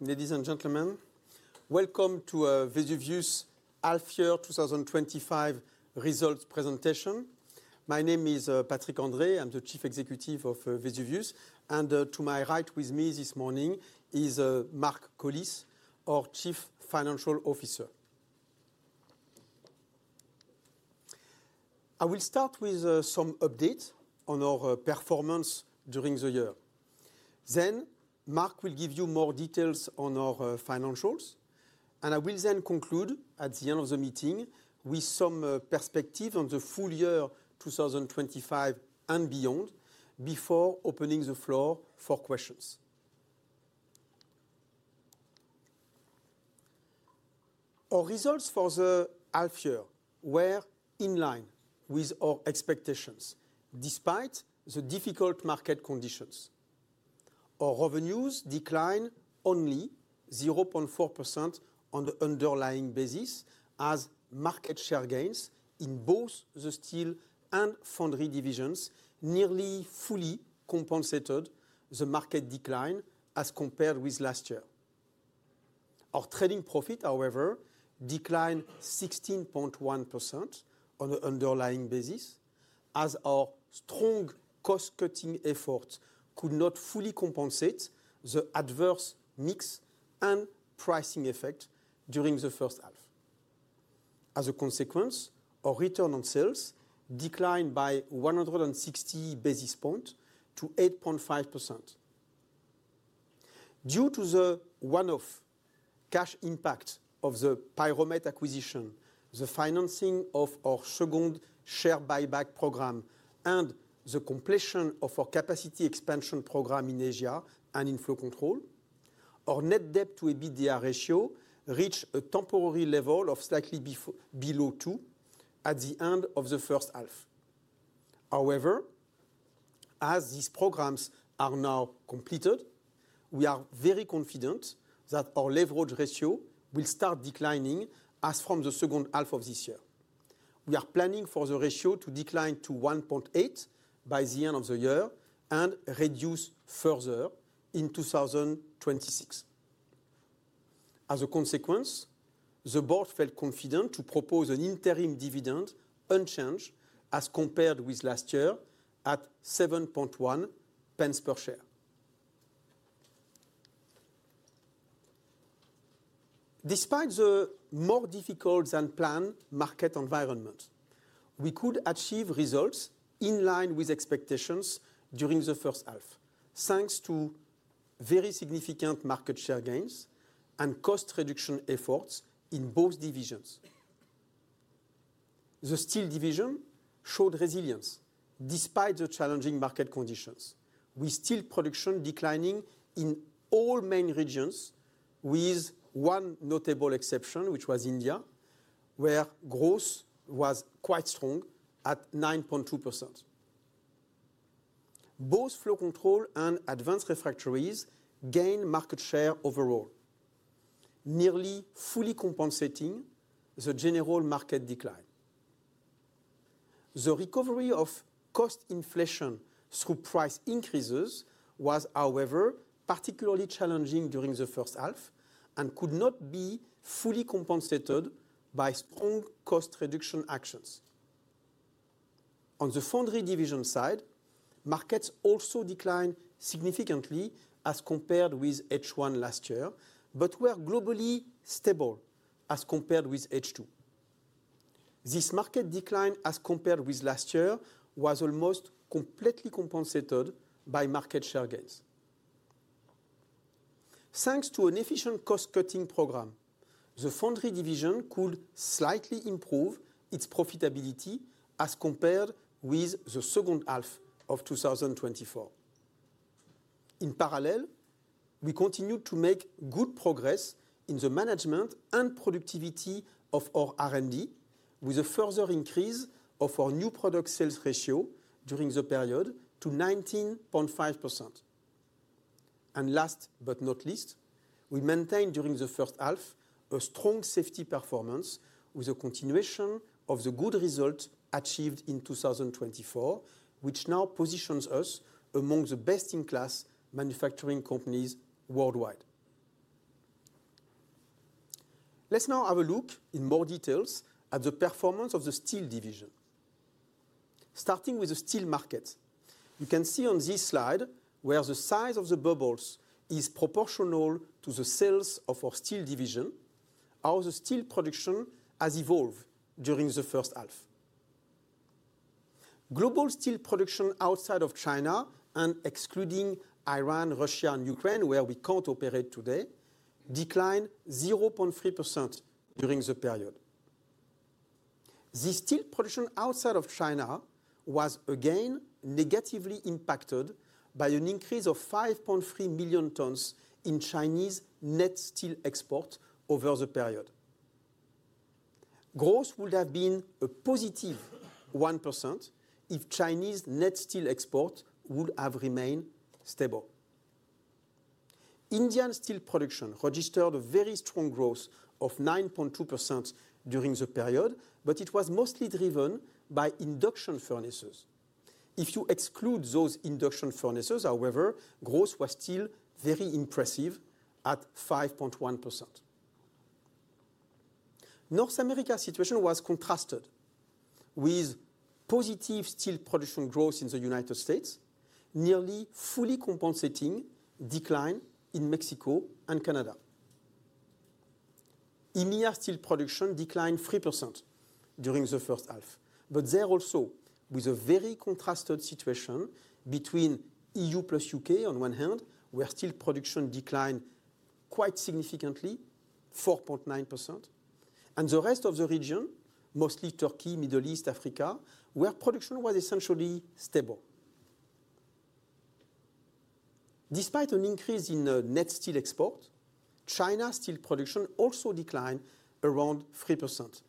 Ladies and gentlemen, welcome to a Vesuvius half year 2025 results presentation. My name is Patrick André, I'm the Chief Executive Officer of Vesuvius and to my right with me this morning is Marc Collis, our Chief Financial Officer. I will start with some updates on our performance during the year, then Marc will give you more details on our financials and I will then conclude at the end of the meeting with some perspective on the full year 2025 and beyond before opening the floor for questions. Our results for the half year were in line with our expectations despite the difficult market conditions. Our revenues declined only 0.4% on the underlying basis as market share gains in both the Steel and Foundry divisions nearly fully compensated the market decline as compared with last year. Our trading profit, however, declined 16.1% over the year on an underlying basis as our strong cost cutting efforts could not fully compensate the adverse mix and pricing effect during the first half. As a consequence, our return on sales declined by 160 basis points to 8.5% due to the one-off cash impact of the Pyromet acquisition, the financing of our second share buyback program, and the completion of our capacity expansion program in Asia and in Flow Control. Our net debt to EBITDA ratio reached. A temporary level of slightly below two at the end of the first half. However, as these programs are now completed, we are very confident that our leverage ratio will start declining as from the second half of this year. We are planning for the ratio to decline to 1.8 by the end of the year and reduce further in 2026. As a consequence, the board felt confident to propose an interim dividend unchanged as compared with last year and at 0.071 per share. Despite the more difficult than planned market environment, we could achieve results in line with expectations during the first half thanks to very significant market share gains and cost reduction efforts in both divisions. The Steel division showed resilience despite the challenging market conditions with steel production declining in all main regions, with one notable exception which was India where growth was quite strong at 9.2%. Both Flow Control and Advanced Refractories gained market share overall, nearly fully compensating the general market decline. The recovery of cost inflation through price increases was, however, particularly challenging during the first half and could not be fully compensated by strong cost reduction actions. On the Foundry division side, markets also declined significantly as compared with H1 last year, but were globally stable as compared with H2. This market decline as compared with last year was almost completely compensated by market share gains. Thanks to an efficient cost cutting program, the Foundry division could slightly improve its profitability as compared with the second half of 2024. In parallel, we continued to make good progress in the management and productivity of our R&D with a further increase of our new product sales ratio during the period to 19.5%. Last but not least, we maintained during the first half a strong safety performance with a continuation of the good result achieved in 2024, which now positions us among the best in class market manufacturing companies worldwide. Let's now have a look in more detail at the performance of the Steel division starting with the steel market. You can see on this slide where the size of the bubbles is proportional to the sales of our Steel division how the steel production has evolved during the first half. Global steel production outside of China and excluding Iran, Russia, and Ukraine, where we can't operate today, declined 0.3% during the period. The steel production outside of China was again negatively impacted by an increase of 5.3 million tons in Chinese net steel export over the period. Growth would have been a positive 1% if Chinese net steel export would have remained stable. Indian steel production registered a very strong growth of 9.2% during the period, but it was mostly driven by induction furnaces. If you exclude those induction furnaces, however, growth was still very impressive at 5.1%. North America's situation was contrasted with positive steel production growth in the United States, nearly fully compensating decline in Mexico and Canada. EMEA steel production declined 3% during the first half, but there also with a very contrasted situation between EU plus U.K. on one hand where steel production declined quite significantly 4.9% and the rest of the region, mostly Turkey, Middle East, Africa where production was essentially stable despite an increase in net steel export. China's steel production also declined around 3%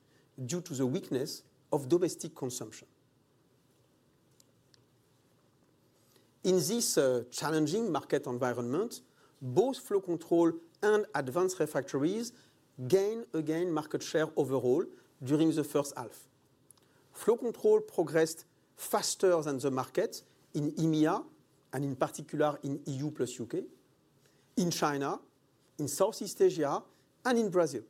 due to the weakness of domestic consumption. In this challenging market environment, both Flow Control and Advanced Refractories gained again market share overall during the first half. Flow Control progressed faster than the market in EMEA and in particular in EU plus U.K., in China, in Southeast Asia and in Brazil.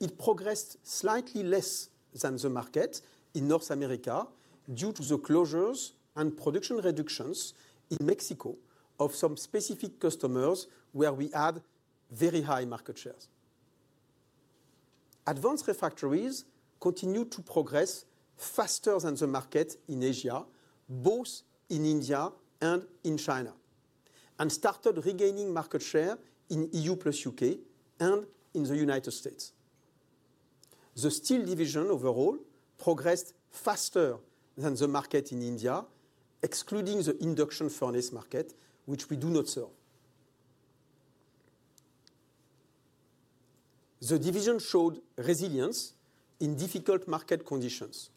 It progressed slightly less than the market in North America due to the closures and production reductions in Mexico of some specific customers where we had very high market shares. Advanced Refractories continued to progress faster than the market in Asia, both in India and in China and started regaining market share in EU plus U.K. and in the United States. The Steel division overall progressed faster than the market in India, excluding the induction furnace market which we do not serve. The division showed resilience in difficult market conditions.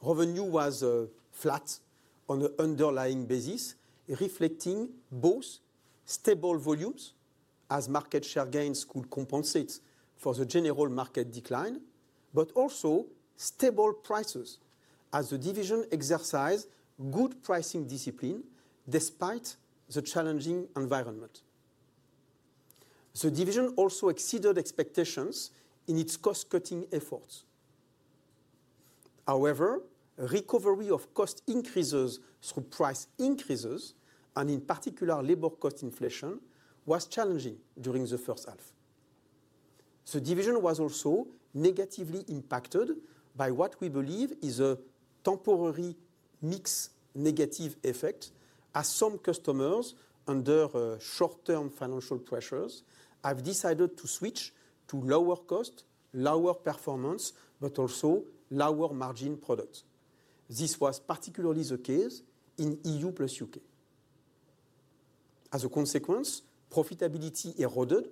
Revenue was flat on an underlying basis reflecting both stable volumes as market share gains could compensate for the general market decline but also stable prices as the division exercised good pricing discipline. Despite the challenging environment, the division also exceeded expectations in its cost cutting efforts. However, recovery of cost increases through price increases and in particular labor cost inflation was challenging during the first half. The division was also negatively impacted by what we believe is a temporary mix negative effect as some customers under short-term financial pressures have decided to switch to lower cost, lower performance but also lower margin products. This was particularly the case in EU plus U.K.. As a consequence, profitability eroded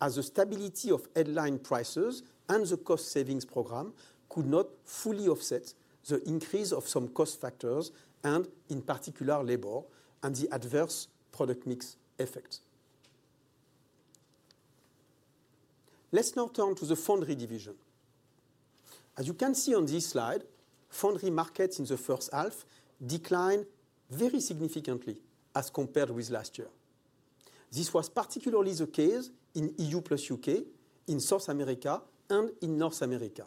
as the stability of headline prices and the cost savings program could not fully offset the increase of some cost factors, in particular labor and the adverse product mix effect. Let's now turn to the Foundry division. As you can see on this slide, Foundry markets in the first half declined very significantly as compared with last year. This was particularly the case in EU plus U.K., in South America, and in North America.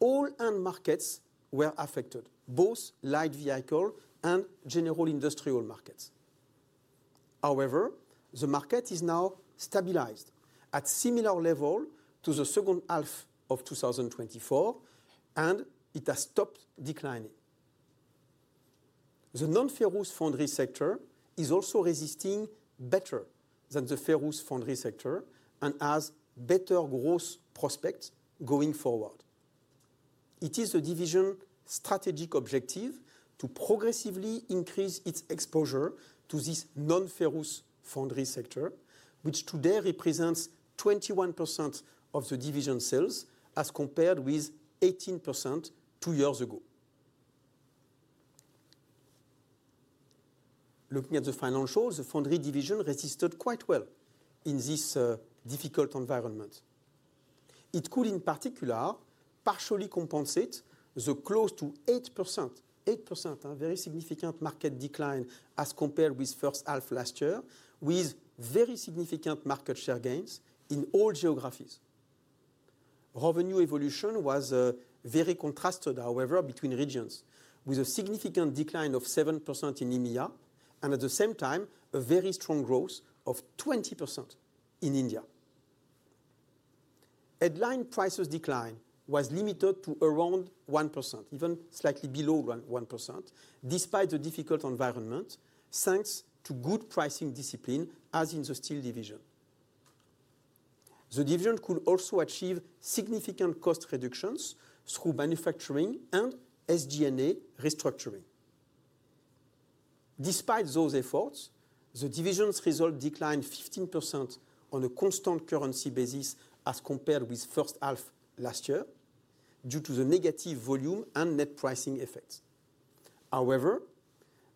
All end markets were affected, both light vehicle and general industrial markets. However, the market is now stabilized at similar levels to the second half of 2024 and it has stopped declining. The non-ferrous Foundry sector is also resisting better than the ferrous Foundry sector and has better growth prospects going forward. It is the division strategic objective to progressively increase its exposure to this non-ferrous Foundry sector, which today represents 21% of the division sales as compared with 18% two years ago. Looking at the financials, the Foundry division registered quite well in this difficult environment. It could in particular partially compensate the close to 8% very significant market decline as compared with first half last year with very significant market share gains in all geographies. Revenue evolution was very contrasted, however, between regions with a significant decline of 7% in EMEA and at the same time a very strong growth of 20% in India. Headline prices decline was limited to around 1%, even slightly below 1% despite the difficult environment thanks to good pricing discipline. As in the Steel division, the division could also achieve significant cost reductions through manufacturing and SG&A restructuring. Despite those efforts, the division's result declined 15% on a constant currency basis as compared with first half last year due to the negative volume and net pricing effects. However,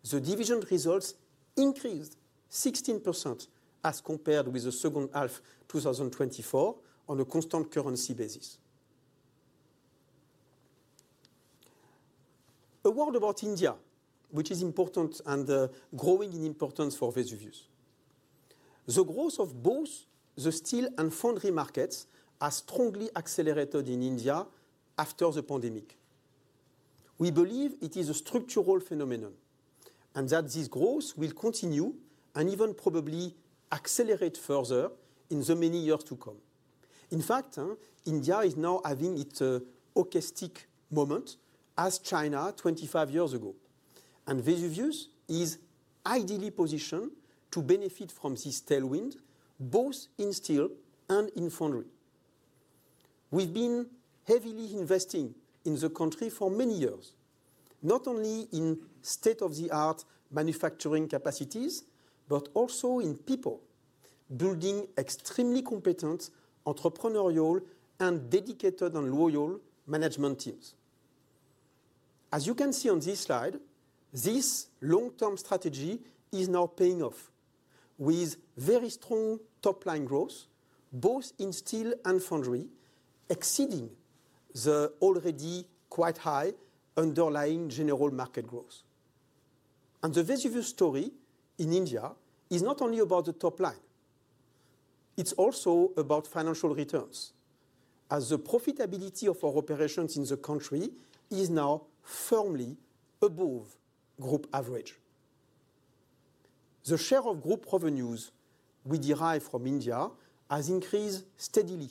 the division results increased 16% as compared with the second half 2024 on a constant currency basis. A word about India which is important. Growing in importance for Vesuvius. The growth of both the Steel and Foundry markets are strongly accelerated in India after the pandemic. We believe it is a structural phenomenon and that this growth will continue and even probably accelerate further in the many years to come. In fact, India is now having its orchestral moment as China 25 years ago and Vesuvius is ideally positioned to benefit from this tailwind both in Steel and in Foundry. We've been heavily investing in the country for many years, not only in state-of-the-art manufacturing capacities, but also in people, building extremely competent, entrepreneurial, dedicated, and loyal management teams. As you can see on this slide, this long-term strategy is now paying off with very strong top-line growth both in Steel and Foundry, exceeding the already quite high underlying general market growth. The Vesuvius story in India is not only about the top line, it's also about financial returns as the profitability of our operations in the country is now firmly above group average. The share of group revenues we derive from India has increased steadily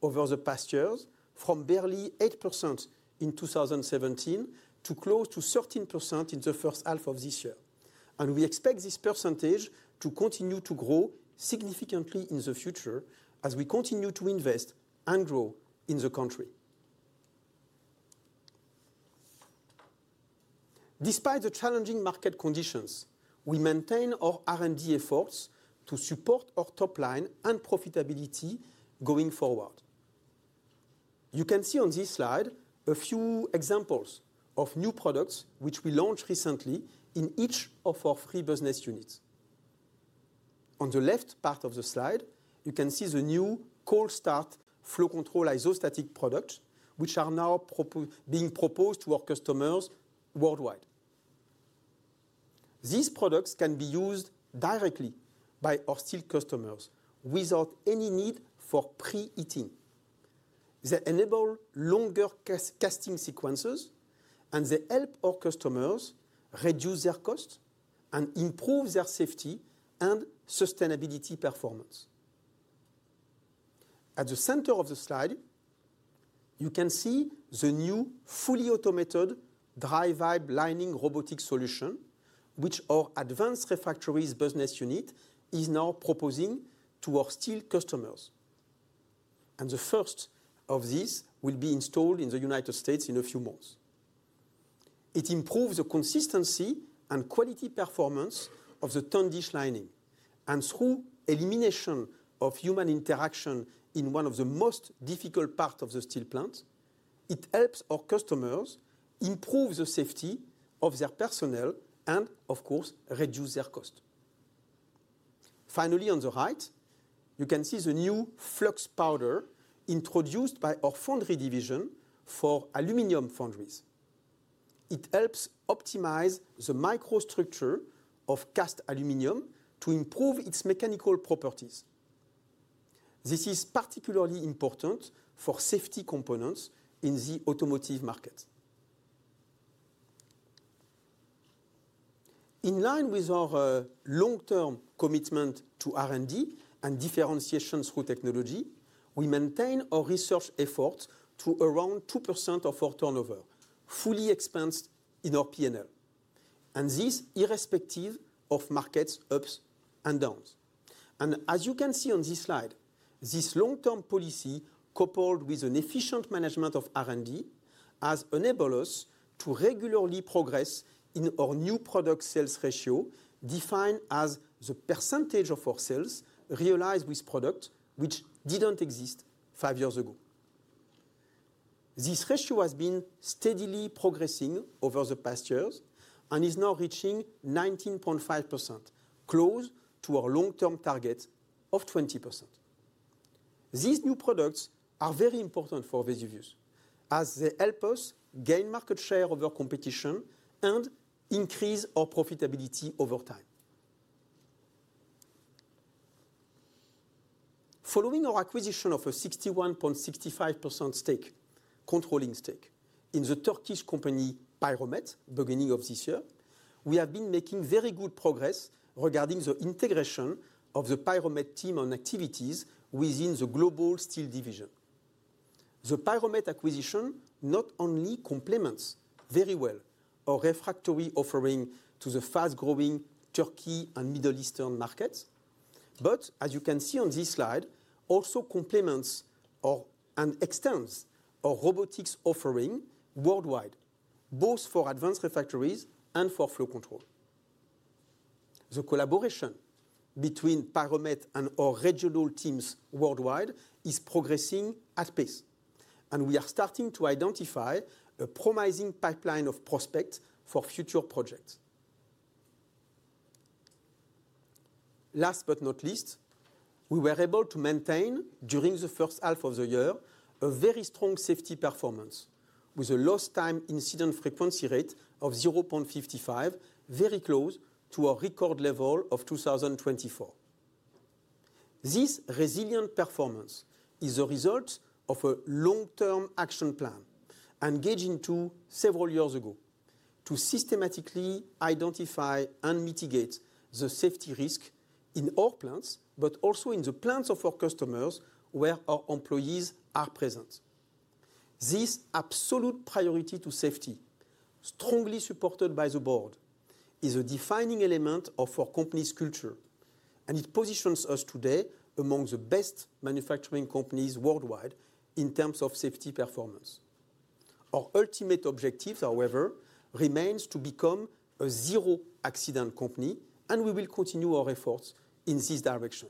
over the past years from barely 8% in 2017 to close to 13% in the first half of this year. We expect this percentage to continue to grow significantly in the future as we continue to invest and grow in the country. Despite the challenging market conditions, we maintain our R&D efforts to support our top line and profitability going forward. You can see on this slide a few examples of new products which we launched recently in each of our three business units. On the left part of the slide, you can see the new Cold Start Flow Control isostatic products which are now being proposed to our customers worldwide. These products can be used directly by our Steel customers without any need for preheating. They enable longer casting sequences and they help our customers reduce their cost and improve their safety and sustainability performance. At the center of the slide, you can see the new fully automated Dry Vibe Lining Robotics solution which our Advanced Refractories business unit is now proposing to our Steel customers, and the first of these will be installed in the United States in a few months. It improves the consistency and quality performance of the tundish lining and, through elimination of human interaction in one of the most difficult parts of the steel plant, it helps our customers improve the safety of their personnel and of course reduce their cost. Finally, on the right you can see the new flux powder introduced by our Foundry division for aluminium foundries. It helps optimize the microstructure of cast aluminium to improve its mechanical properties. This is particularly important for safety components in the automotive market. In line with our long term commitment to R&D and differentiation through technology, we maintain our research effort to around 2% of our turnover, fully expensed in our P&L, and this irrespective of market's ups and downs. As you can see on this slide, this long term policy coupled with an efficient management of R&D has enabled us to regularly progress in our new product sales ratio, defined as the percentage of our sales realized with product which didn't exist five years ago. This ratio has been steadily progressing over the past years and is now reaching 19.5%, close to our long term target of 20%. These new products are very important for Vesuvius as they help us gain market share of our competition and increase our profitability over time. Following our acquisition of a 61.65% controlling stake in the Turkish company Pyromet at the beginning of this year, we have been making very good progress regarding the integration of the Pyromet team and activities within the global Steel division. The Pyromet acquisition not only complements very well our refractory offering to the fast growing Turkey and Middle Eastern markets, but as you can see on this slide, also complements and extends our Robotics offering worldwide both for Advanced Refractories and for Flow Control. The collaboration between Pyromet and original teams worldwide is progressing at pace and we are starting to identify a promising pipeline of prospects for future projects. Last but not least, we were able to maintain during the first half of the year a very strong safety performance with a lost time incident frequency rate of 0.55, very close to our record level of 2024. This resilient performance is the result of a long term action plan engaged several years ago to systematically identify and mitigate the safety risk in our plants, but also in the plants of our customers where our employees are present. This absolute priority to safety, strongly supported by the Board, is a defining element of our company's culture and it positions us today among the best manufacturing companies worldwide in terms of safety performance. Our ultimate objective, however, remains to become a zero accident company, and we will continue our efforts in this direction.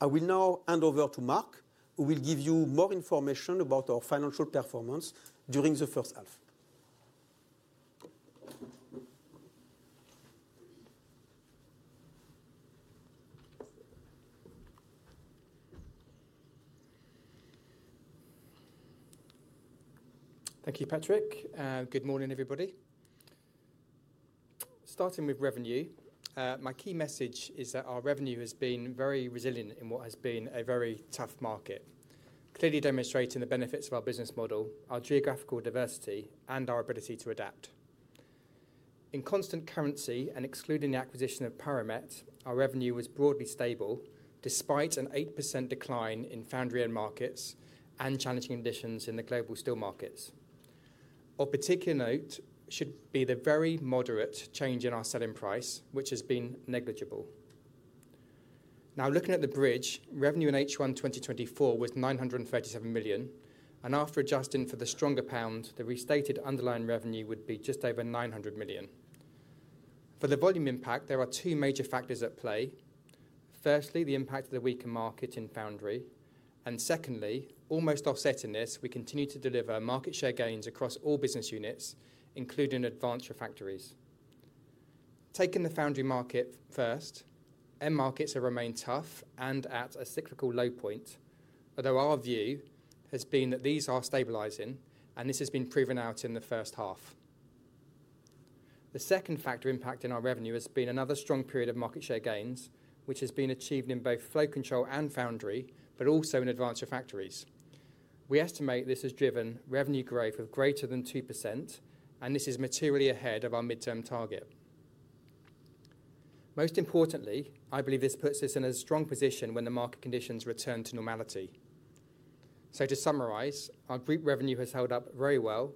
I will now hand over to Marc, who will give you more information about our financial performance during the first half. Thank you, Patrick. Good morning everybody. Starting with revenue, my key message is that our revenue has been very resilient in what has been a very tough market, clearly demonstrating the benefits of our business model, our geographical diversity, and our ability to adapt in constant currency. Excluding the acquisition of Pyromet, our revenue was broadly stable despite an 8% decline in Foundry end markets and challenging conditions in the global Steel markets. Of particular note should be the very moderate change in our selling price, which has been negligible. Now, looking at the bridge, revenue in H1 2024 was 937 million. After adjusting for the stronger pound, the restated underlying revenue would be just over 900 million. For the volume impact, there are two major factors at play. Firstly, the impact of the weaker market in Foundry, and secondly, almost offsetting this, we continue to deliver market share gains across all business units, including Advanced Refractories. Taking the Foundry market first, end markets have remained tough and at a cyclical low point. Although our view has been that these are stabilizing, and this has been proven out in the first half. The second factor impacting our revenue has been another strong period of market share gains, which has been achieved in both Flow Control and Foundry, but also in Advanced Refractories. We estimate this has driven revenue growth of greater than 2%, and this is materially ahead of our mid-term target. Most importantly, I believe this puts us in a strong position when the market conditions return to normality. To summarize, our group revenue has held up very well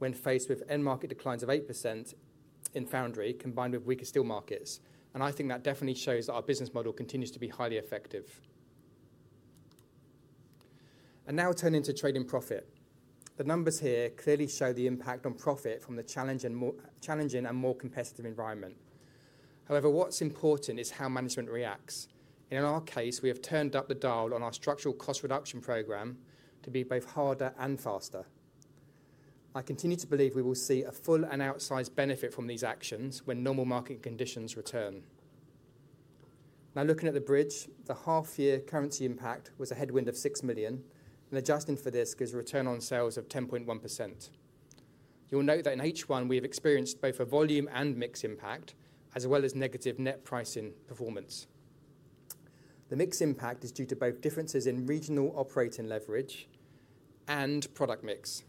when faced with end market declines of 8% in Foundry combined with weaker Steel markets. I think that definitely shows that our business model continues to be highly effective. Now turning to trading profit, the numbers here clearly show the impact on profit from the challenging and more competitive environment. However, what's important is how management reacts. In our case, we have turned up the dial on our structural cost reduction program to be both harder and faster. I continue to believe we will see a full and outsized benefit from these actions when normal market conditions return. Looking at the bridge, the half year currency impact was a headwind of 6 million, and adjusting for this gives a return on sales of 10.1%. You'll note that in H1 we have experienced both a volume and mix impact as well as negative net pricing performance. The mix impact is due to both differences in regional operating leverage and product mix.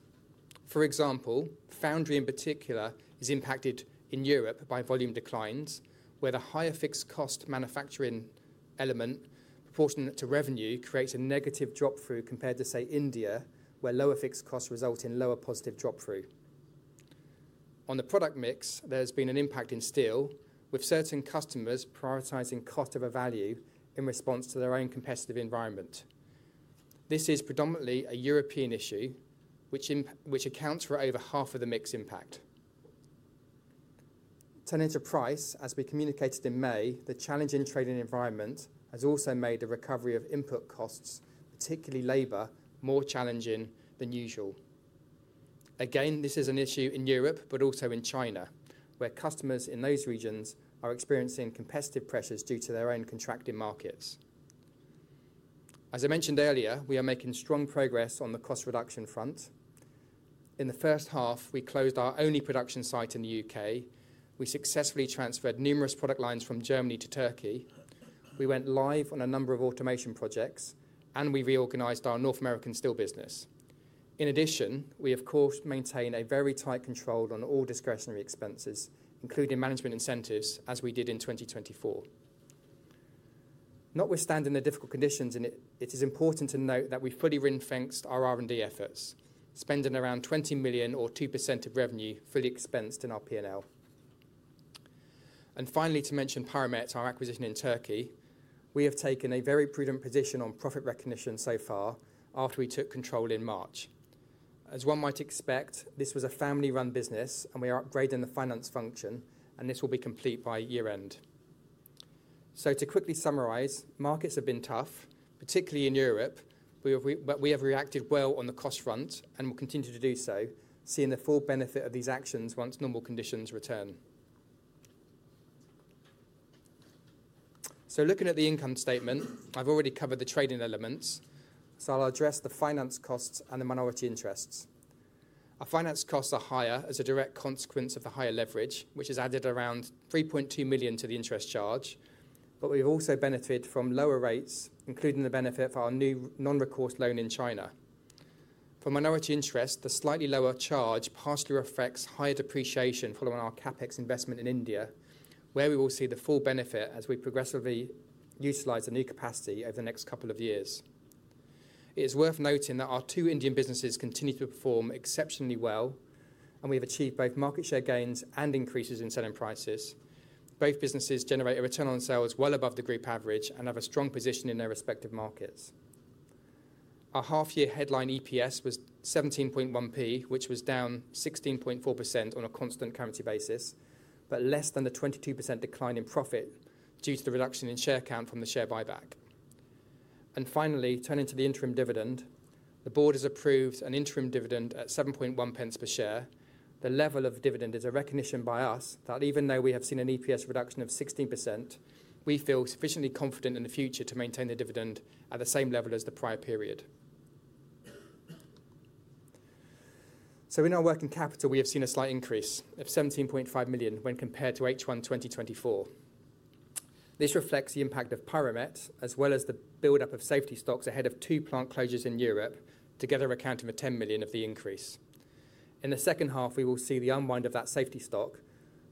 For example, Foundry in particular is impacted in Europe by volume declines where the higher fixed cost manufacturing element proportionate to revenue creates a negative drop through compared to, say, India where lower fixed costs result in lower positive drop through on the product mix. There's been an impact in Steel with certain customers prioritizing cost over value in response to their own competitive environment. This is predominantly a European issue which accounts for over half of the mix impact. Turning to price, as we communicated in May, the challenging trading environment has also made a recovery of input costs, particularly labor, more challenging than usual. Again, this is an issue in Europe, but also in China where customers in those regions are experiencing competitive pressures due to their own contracting markets. As I mentioned earlier, we are making strong progress on the cost reduction front. In the first half we closed our only production site in the U.K., we successfully transferred numerous product lines from Germany to Turkey, we went live on a number of automation projects, and we reorganized our North American Steel business. In addition, we of course maintain a very tight control on all discretionary expenses including management incentives as we did in 2024 notwithstanding the difficult conditions, and it is important to note that we fully ringfenced our R&D efforts, spending around 20 million or 2% of revenue, fully expensed in our P&L. Finally, to mention Pyromet, our acquisition in Turkey. We have taken a very prudent position on profit recognition so far after we took control in March. As one might expect, this was a family-run business and we are upgrading the finance function and this will be complete by year end. To quickly summarize, markets have been tough, particularly in Europe, but we have reacted well on the cost front and will continue to do so, seeing the full benefit of these actions once normal conditions return. Looking at the income statement, I've already covered the trading elements so I'll address the finance costs and the minority interests. Our finance costs are higher as a direct consequence of the higher leverage which has added around 3.2 million to the interest charge. We have also benefited from lower rates including the benefit of our new non-recourse loan in China for minority interest. The slightly lower charge partially reflects higher depreciation following our CAPEX investment in India where we will see the full benefit as we progressively utilize the new capacity over the next couple of years. It is worth noting that our two Indian businesses continue to perform exceptionally well and we have achieved both market share gains and increases in selling prices. Both businesses generate a return on sales well above the group average and have a strong position in their respective markets. Our half year headline EPS was 0.171, which was down 16.4% on a constant currency basis but less than a 22% decline in profit due to the reduction in share count from the share buyback. Finally, turning to the interim dividend, the Board has approved an interim dividend at 0.071 per share. The level of dividend is a recognition by us that even though we have seen an EPS reduction of 16% we feel sufficiently confident in the future to maintain the dividend at the same level as the prior period. In our working capital we have seen a slight increase of 17.5 million when compared to H1 2024. This reflects the impact of Pyromet as well as the build up of safety stocks ahead of two plant closures in Europe, together accounting for 10 million of the increase. In the second half, we will see the unwind of that safety stock,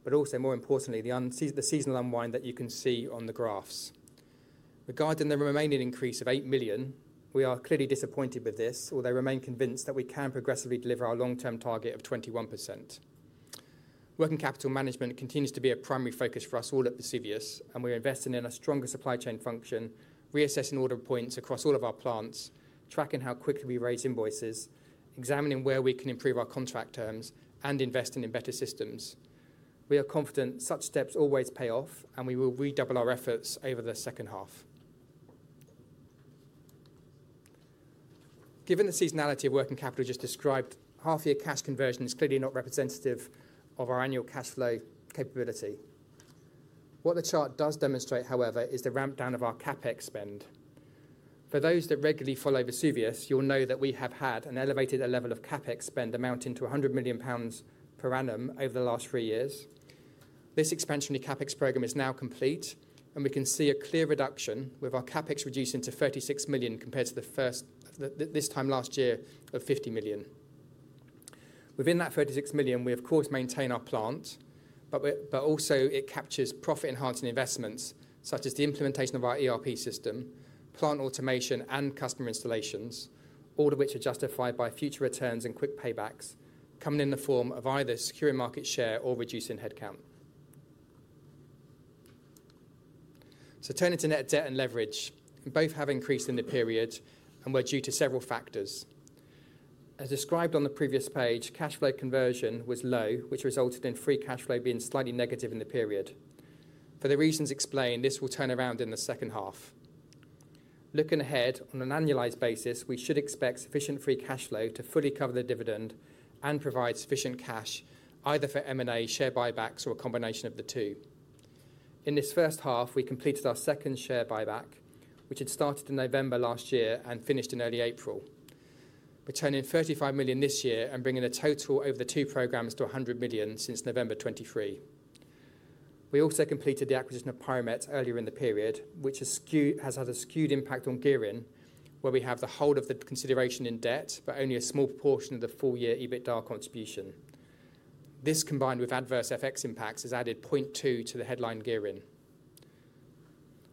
but also more importantly the seasonal unwind that you can see on the graphs regarding the remaining increase of 8 million. We are clearly disappointed with this, although remain convinced that we can progressively deliver our long term target of 21%. Working capital management continues to be a primary focus for us all at Vesuvius and we are investing in a stronger supply chain function, reassessing order points across all of our plants, tracking how quickly we raise invoices, examining where we can improve our contract terms, and investing in better systems. We are confident such steps always pay off and we will redouble our efforts over the second half. Given the seasonality of working capital just described, half year cash conversion is clearly not representative of our annual cash flow capability. What the chart does demonstrate, however, is the ramp down of our CAPEX spending. For those that regularly follow Vesuvius, you'll know that we have had an elevated level of CAPEX spend amounting to 100 million pounds per annum over the last three years. This expansionary CAPEX program is now complete, and we can see a clear reduction with our CAPEX reducing to 36 million compared to the first, this time last year, of 50 million. Within that 36 million we of course maintain our plant, but also it captures profit-enhancing investments such as the implementation of our ERP system, plant automation, and customer installations, all of which are justified by future returns and quick paybacks coming in the form of either securing market share or reducing headcount. Turning to net debt and leverage, both have increased in the period and were due to several factors. As described on the previous page, cash flow conversion was low, which resulted in free cash flow being slightly negative in the period. For the reasons explained, this will turn around in the second half. Looking ahead on an annualized basis, we should expect sufficient free cash flow to fully cover the dividend and provide sufficient cash either for M&A, share buybacks, or a combination of the two. In this first half, we completed our second share buyback, which had started in November last year and finished in early April, returning 35 million this year and bringing a total over the two programs to 100 million since November 2023. We also completed the acquisition of Pyromet earlier in the period, which has had a skewed impact on gearing where we have the whole of the consideration in debt, but only a small portion of the full year EBITDA contribution. This, combined with adverse FX impacts, has added 0.2 to the headline gearing.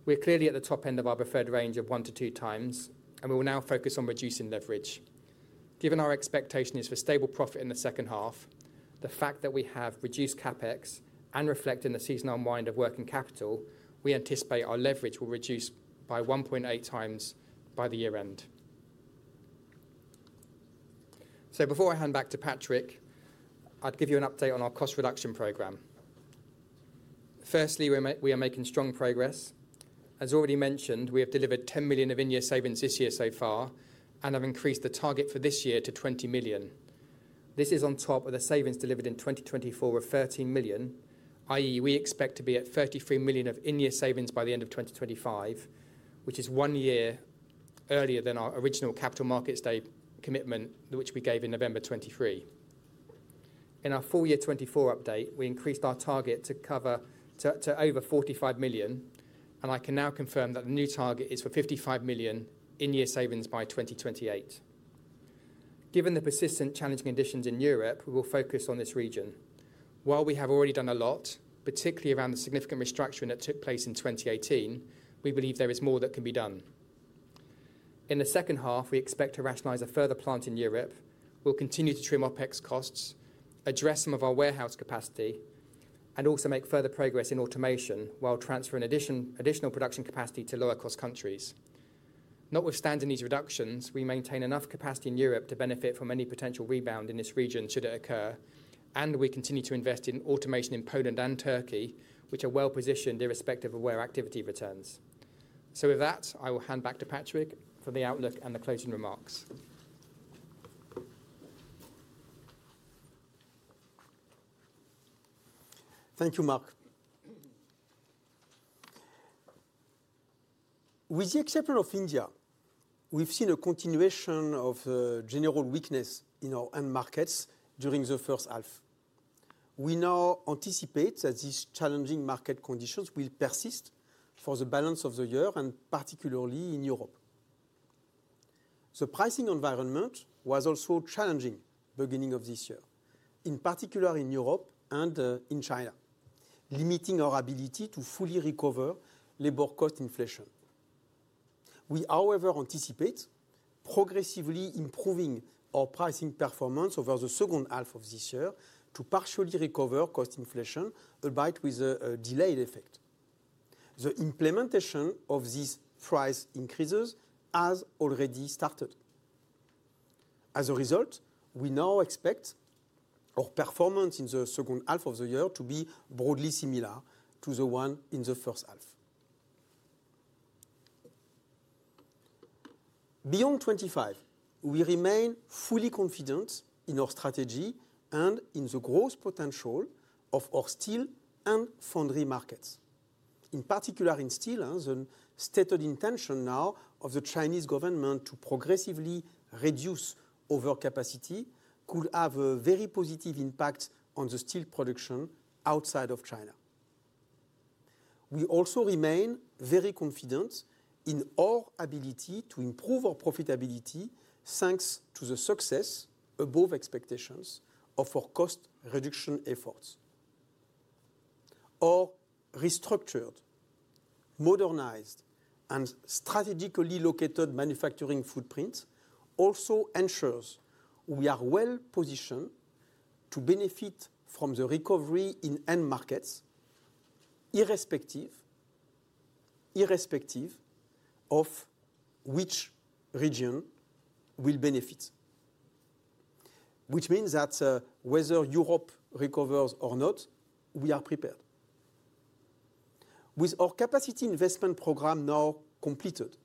We are clearly at the top end of our preferred range of one to two times, and we will now focus on reducing leverage given our expectation is for stable profit in the second half. The fact that we have reduced CAPEX and reflect in the seasonal mind of working capital, we anticipate our leverage will reduce to 1.8 times by the year end. Before I hand back to Patrick, I'd give you an update on our cost reduction program. Firstly, we are making strong progress. As already mentioned, we have delivered 10 million of in-year savings this year so far and have increased the target for this year to 20 million. This is on top of the savings delivered in 2024 of 13 million. That is, we expect to be at 33 million of in-year savings by the end of 2025, which is one year earlier than our original Capital Markets Day commitment, which we gave in November 2023. In our full year 2024 update, we increased our target to over 45 million, and I can now confirm that the new target is for 55 million in-year savings by 2028. Given the persistent challenging conditions in Europe, we will focus on this region. While we have already done a lot, particularly around the significant restructuring that took place in 2018, we believe there is more that can be done in the second half. We expect to rationalize a further plant in Europe. We'll continue to trim OpEx costs, address some of our warehouse capacity, and also make further progress in automation while transferring additional production capacity to lower-cost countries. Notwithstanding these reductions, we maintain enough capacity in Europe to benefit from any potential rebound in this region should it occur. We continue to invest in automation in Poland and Turkey, which are well positioned irrespective of where activity returns. With that, I will hand back to Patrick for the outlook and the closing remarks. Thank you, Mark. With the exception of India, we've seen. A continuation of general weakness in our. End markets during the first half. We now anticipate that these challenging market conditions will persist for the balance of the year, particularly in Europe. The pricing environment was also challenging at the beginning of this year, in particular in Europe and in China, limiting our ability to fully recover labor cost inflation. We, however, anticipate progressively improving our pricing performance over the second half of this year to partially recover cost inflation, albeit. With a delayed effect. The implementation of these price increases has. Already started. As a result, we now expect our performance in the second half. Of the year to be broadly similar. To the one in the first half. Beyond 2025 we remain fully confident in our strategy and in the growth potential of our Steel and Foundry markets. In particular in Steel, the stated intention now of the Chinese government to progressively reduce overcapacity could have a very positive impact on the steel production outside of China. We also remain very confident in our ability to improve our profitability thanks to the success above expectations of our cost reduction efforts. Our restructured, modernized, and strategically located manufacturing footprint also ensures we are well positioned to benefit from the recovery in end markets, irrespective of which region will benefit. This means that whether Europe recovers or not, we are prepared with our capacity investment program now completed.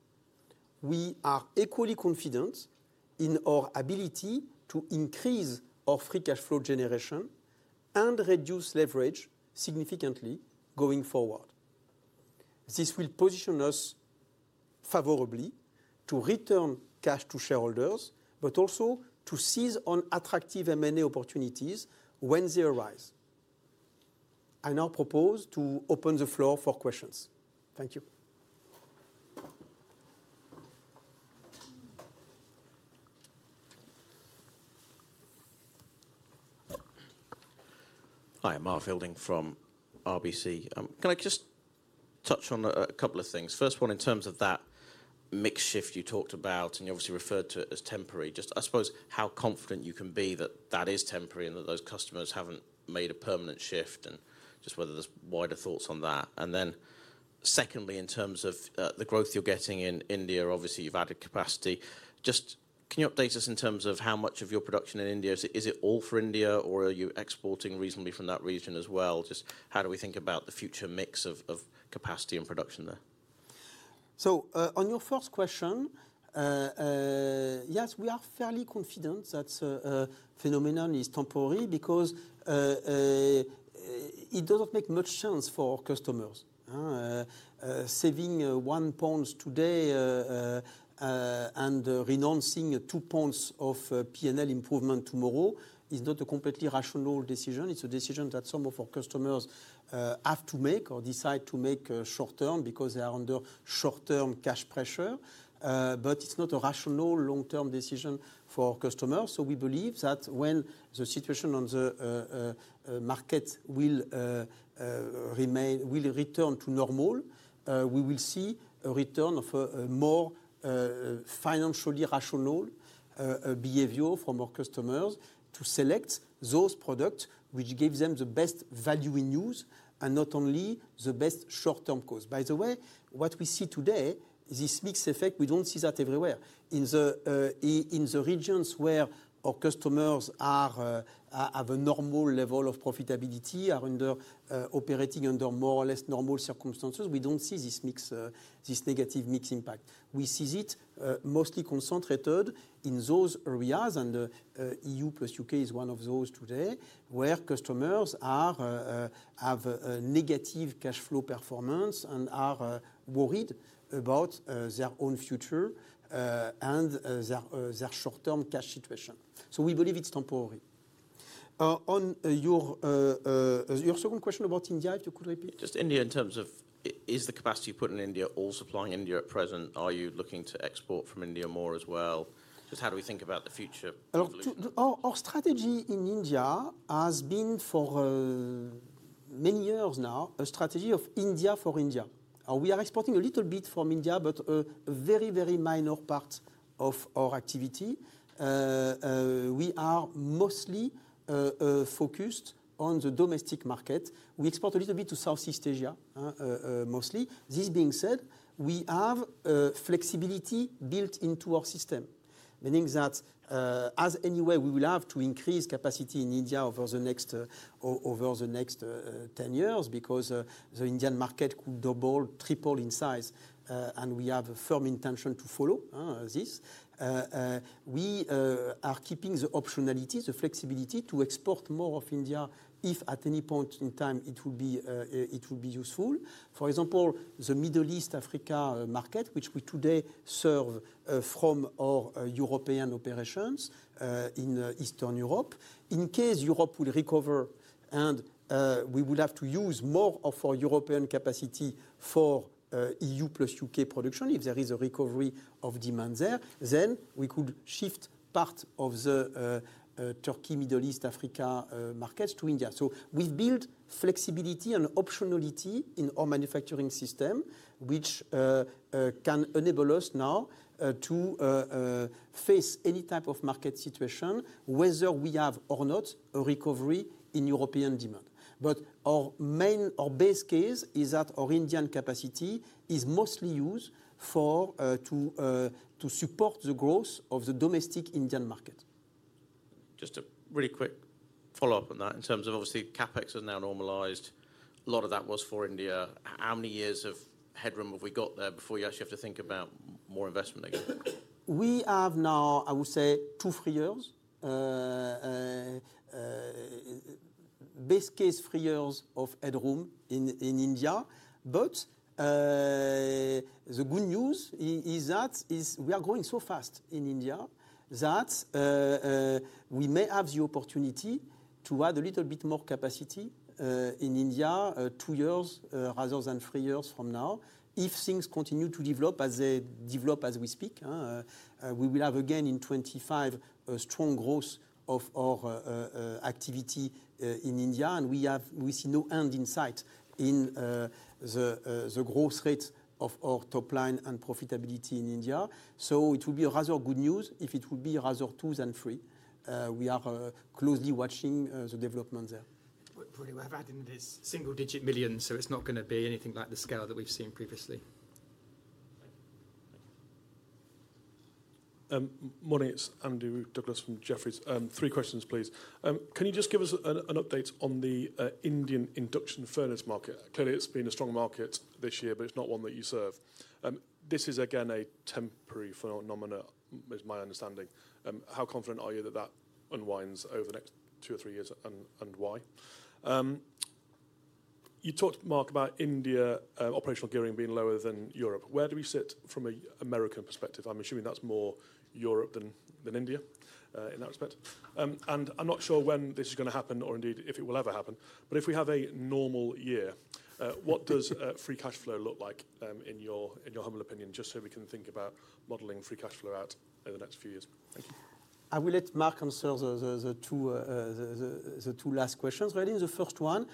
We are equally confident in our ability to increase our free cash flow generation and reduce leverage significantly going forward. This will position us favorably to return cash to shareholders, but also to seize on attractive M&A opportunities when they arise. I now propose to open the floor for questions. Thank you. Hi, I'm Mark Fielding from RBC. Can I just touch on a couple of things? First, one, in terms of that mix shift you talked about and you obviously referred to it as temporary, just I suppose how confident you can be that that is temporary and that those customers haven't made a permanent shift, and just whether there's wider thoughts on that. Secondly, in terms of the growth you're getting in India, obviously you've added capacity. Just can you update us in terms of how much of your production in India, is it all for India or are you exporting reasonably from that region as well? Just how do we think about the future mix of capacity and production there? On your first question. Yes, we are fairly confident that phenomenon is temporary because. It doesn't make much sense for customers. Saving 1 pound today and renouncing 2 pounds of P&L improvement tomorrow is not a completely rational decision. It's a decision that some of our customers have to make or decide to make short term because they are under short term cash pressure, but it's not a rational long term decision for customers. We believe that when the situation on the market will return to normal, we will see a return of a more financially rational behavior from our customers. To select those products which give them the best value in use, and not. Only the best short-term cost. By the way, what we see today. This mix effect, we don't see that everywhere. In the regions where our customers have a normal level of profitability, are operating under more or less normal circumstances, we don't see this negative mix impact. We see it mostly concentrated in those areas. EU plus U.K. is one of those today where customers have a negative cash flow performance and are worried about their own future and their short term cash situation. We believe it's temporary. On your second question about India, if. Could you repeat. Just India in terms of is the capacity you put in India all supplying India at present? Are you looking to export from India more as well? Just how do we think about the future? Our strategy in India has been for. Many years now a strategy of India for India. We are exporting a little bit from India, but a very, very minor part of our activity. We are mostly focused on the domestic market. We export a little bit to Southeast Asia mostly. This being said, we have flexibility built into our system, meaning that as anyway we will have to increase capacity in India over the next 10 years because Indian market double triple in size and we have a firm intention to follow this. We are keeping the optionality, the flexibility to export more of India if at any point in time it would be useful. For example, the Middle East Africa market, which we today serve from our European operations in Eastern Europe, in case Europe would recover and we will have to use more of our European capacity for EU plus U.K. production, if there is a recovery of demand. We could shift part of. The Turkey Middle East Africa markets to India. We build flexibility and optionality in our manufacturing system, which can enable us now to face any type of market situation, whether we have or not a recovery in European demand. Our main, our base case is that our Indian capacity is mostly used to support the growth of the domestic Indian market. Just a really quick follow-up on that. In terms of obviously CAPEX is now normalized, a lot of that was for India. How many years of headroom have we got there before you actually have to think about more investment? We have now, I would say, two, three years. Best case, three years of headroom in India. The good news is that we are growing so fast in India that we may have the opportunity to add a little bit more capacity in India two years rather than three years from now. If things continue to develop as they develop as we speak, we will have. Again, in 2025 a strong growth of. Our activity in India. We see no end in sight in the growth rates of our top line and profitability in India. It would be rather good news if it would be rather two than three. We are closely watching the development there. Probably we have adding this single digit million. It's not going to be anything like the scale that we've seen previously. Morning. It's Andrew Douglas from Jefferies. Three questions please. Can you just give us an update on the Indian induction furnace market? Clearly it's been a strong market this year, but it's not one that you serve. This is again a temporary phenomenon is my understanding. How confident are you that that unwinds over the next two or three years and why you talked, Mark, about India operational gearing being lower than Europe. Where do we sit from an American perspective? I'm assuming that's more Europe than India in that respect. I'm not sure when this is going to happen or indeed if it will ever happen. If we have a normal year, what does free cash flow look like in your humble opinion? Just so we can think about modeling free cash flow out over the next few years. Thank you. I will let Marc answer the two last questions. Really the first one.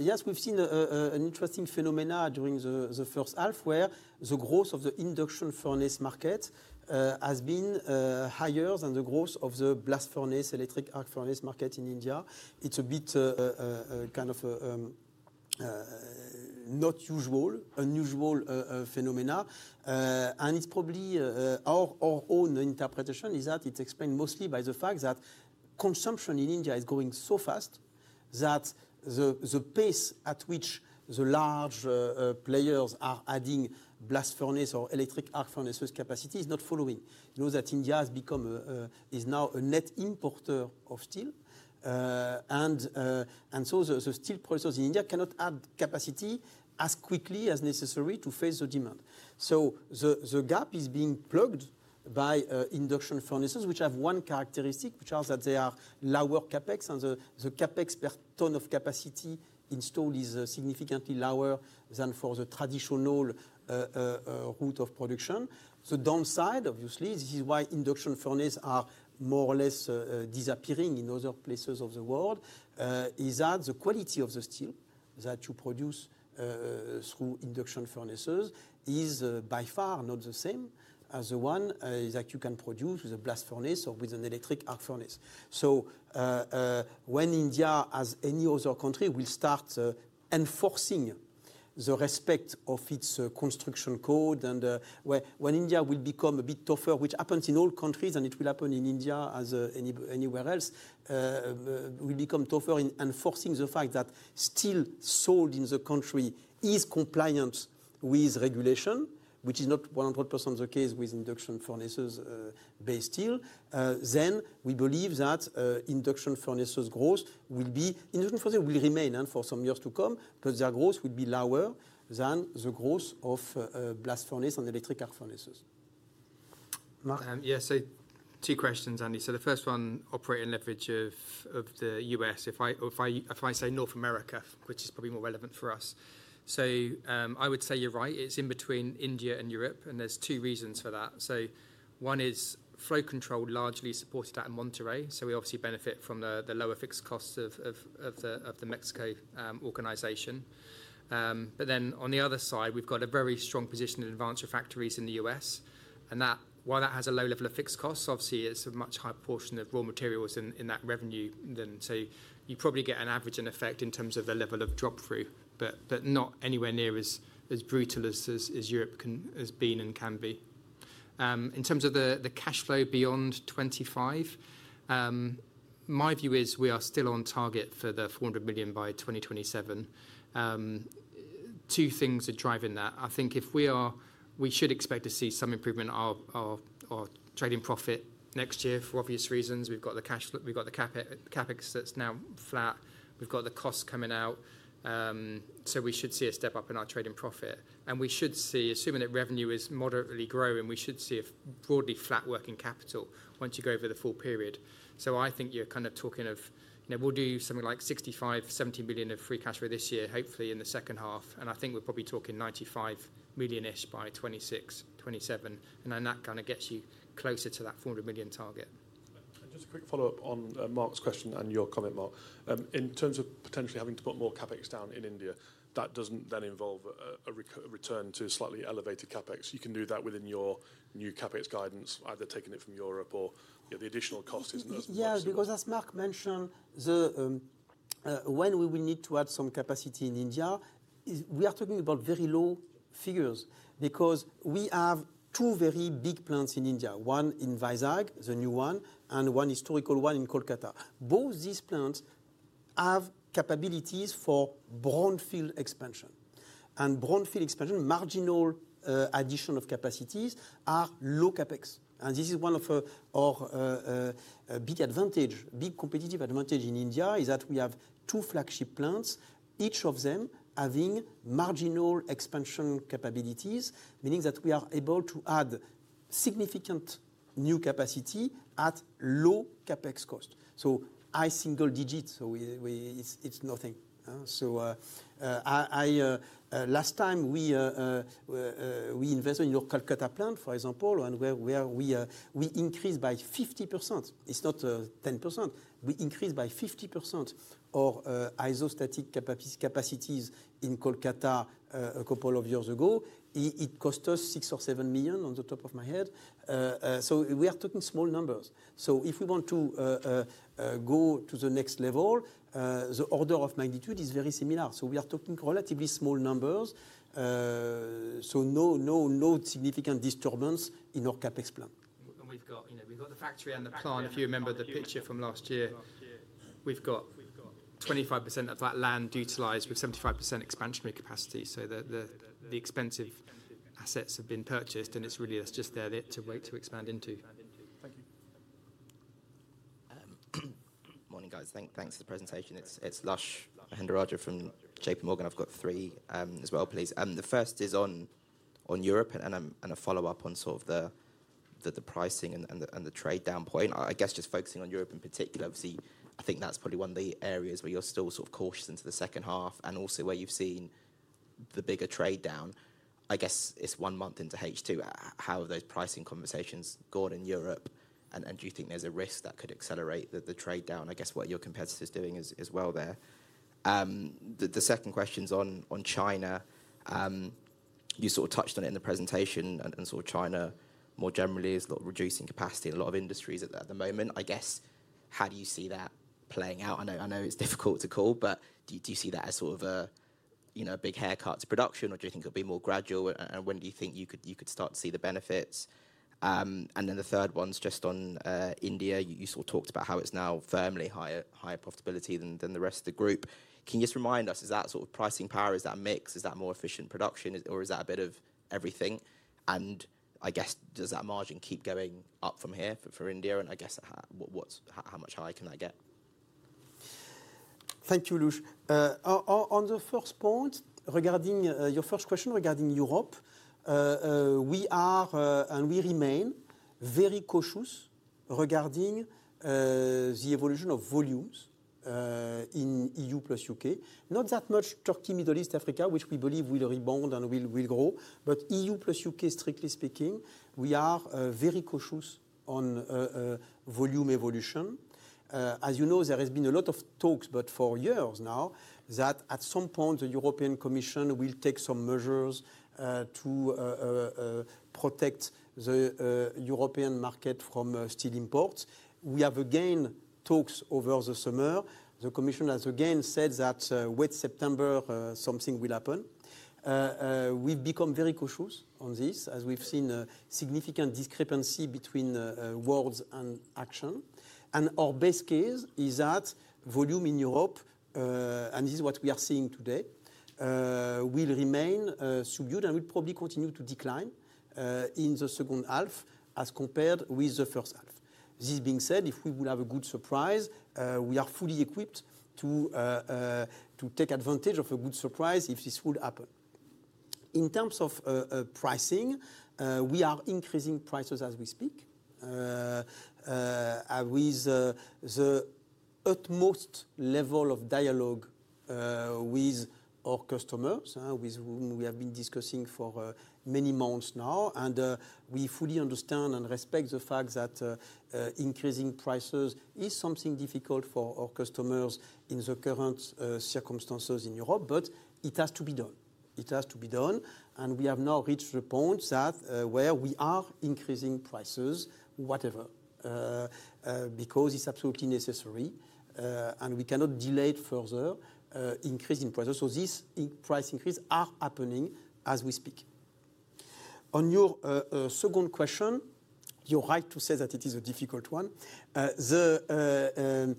Yes, we've seen an interesting phenomenon during the first half where the growth of the induction furnace market has been. Higher than the growth of the blast. Furnace electric arc furnace market in India. It's a bit kind of. Not usual. Unusual phenomena, and it's probably our own interpretation, is that it's explained mostly by the fact that consumption in India is going so fast that the pace at which the large players are adding blast furnace or electric arc furnace capacity is not following. Know that India has become, is now a net importer of steel. The steel processors in India cannot add. Capacity as quickly as necessary to face the demand. The gap is being plugged by induction furnaces, which have one characteristic, which is that they are lower CAPEX. The CAPEX per ton of capacity installed. Is significantly lower than for the traditional route of production. The downside, obviously, this is why induction furnaces are more or less disappearing in other places of the world, is that. The quality of the steel that you. Produce through induction furnaces is by far not the same as the one that you can produce with a blast furnace or with an electric arc furnace. When India as any other country will start enforcing the respect of its construction code and when India will become. A bit tougher, which happens in all countries, and it will happen in India. As anywhere else, it will become tougher in enforcing the fact that steel sold in. The country is compliant with regulation, which. Is not 100% the case with induction furnaces-based steel. We believe that induction furnaces growth will be industrial for will remain and for some years to come, their growth will be lower than the growth of blast furnace and electric arc furnaces. Yeah. Two questions, Andy. The first one, operating leverage of the U.S., if I say North America, which is probably more relevant for us. I would say you're right, it's in between India and Europe and there's two reasons for that. One is Flow Control largely supported at Monterrey. We obviously benefit from the lower fixed costs of the Mexico organization, but then on the other side we've got a very strong position in Advanced Refractories in the U.S., and while that has a low level of fixed costs, obviously it's a much higher portion of raw materials in that revenue. You probably get an average in effect in terms of the level of drop through, but not anywhere near as brutal as Europe has been and can be. In terms of the cash flow beyond 2025, my view is we are still on target for the 400 million by 2027. Two things are driving that. I think we should expect to see some improvement in our trading profit next year for obvious reasons. We've got the cash, we've got the CapEx that's now flat, we've got the costs coming out. We should see a step up in our trading profit and we should see, assuming that revenue is moderately growing, a broadly flat working capital once you go over the full period. I think you're kind of talking of we'll do something like 65 million, 70 million of free cash for this year hopefully in the second half, and I think we're probably talking 95 million-ish by 2026, 2027, and then that kind of gets you closer to that 400 million target. Just a quick follow up on Marc's question and your comment, Marc, in terms of potentially having to put more CAPEX down in India, that doesn't then involve a return to slightly elevated CAPEX. You can do that within your new CAPEX guidance, either taking it from Europe or the additional cost isn't as necessary. Yeah, because as Marc Collis mentioned, when we will need to add some capacity in India, we are talking about very low figures because we have two very big plants in India, one in Vizag, the new one, and one historical one in Kolkata. Both these plants have capabilities for brownfield. Expansion and brownfield expansion, marginal addition of capacities are low CAPEX, and this is one of our big advantages, big competitive advantage in India is that we have. Two flagship plants, each of them having. Marginal expansion capabilities, meaning that we are. Able to add significant new capacity at. Low CAPEX cost, so high single digits, so it's nothing. So. Last time we invested in your Calcutta plant example where we increased by 50%—it's not 10%—we increased by 50% of isostatic capacities in Kolkata a couple of years ago. It cost us 6 million or 7 million off the top of my head. We are talking small numbers. If we want to go to the next level, the order of magnitude is very similar. We are talking relatively small numbers. No significant disturbance in. Our CAPEX plan, and we've got you. We've got the factory and the plant. If you remember the picture from last year, we've got 25% of that land utilized with 75% expansionary capacity, so the expensive assets have been purchased and it's really just there to wait to expand into. Thank you. Morning guys. Thanks for the presentation. It's. It's Lush Mahendrarajah from J.P. Morgan. I've got three as well please. The first is on Europe and a follow up on sort of the pricing and the trade down point. I guess just focusing on Europe in particular, obviously I think that's probably one of the areas where you're still sort of cautious into the second half and also where you've seen the bigger trade down. I guess it's one month into H2. How have those pricing conversations gone in Europe, and do you think there's a risk that could accelerate the trade down? I guess what are your competitors doing as well. The second question's on China. You sort of touched on it in the presentation and saw China more generally is reducing capacity in a lot of industries at the moment. I guess how do you see that playing out? I know it's difficult to call, but do you see that as sort of a big haircut to production or do you think it'll be more gradual, and when do you think you could start to see the benefits? The third one's just on India. You sort of talked about how it's now firmly higher profitability than the rest of the group. Can you just remind us, is that sort of pricing power? Is that mix, is that more efficient production, or is that a bit of everything? I guess does that margin keep going up from here for India, and I guess how much higher can that get? Thank you, Lush. On the first point regarding your first question regarding Europe, we are and we remain very cautious regarding the evolution of volumes in EU plus U.K., not that much. Turkey, Middle East, Africa, which we believe. Will rebound and will grow. EU plus U.K., strictly speaking, we are very cautious on volume evolution. As you know, there has been a. Lot of talks, but for years now that at some point the European Commission. Will take some measures to protect the European market from steel imports. We have again talks over the summer. The Commission has again said that wait. September, something will happen. We've become very cautious on this as we've seen significant discrepancy between words and action. Our best case is that volume in Europe, and this is what we are seeing today, will remain subdued and will probably continue to decline in the second half as compared with the first half. This being said, if we would have. A good surprise. We are fully equipped to take advantage of a good surprise. If this would happen. In terms of pricing, we are increasing prices as we speak, with the utmost level of dialogue with our customers, with whom we have been discussing for many months now. We fully understand and respect the fact that increasing prices is something difficult for our customers in the current circumstances in Europe. It has to be done. It has to be done, and we have now reached a point where we are increasing prices, whatever, because it's absolutely necessary, and we cannot delay further increase in prices. These price increases are happening as we speak. On your second question, you're right to say that it is a difficult one. The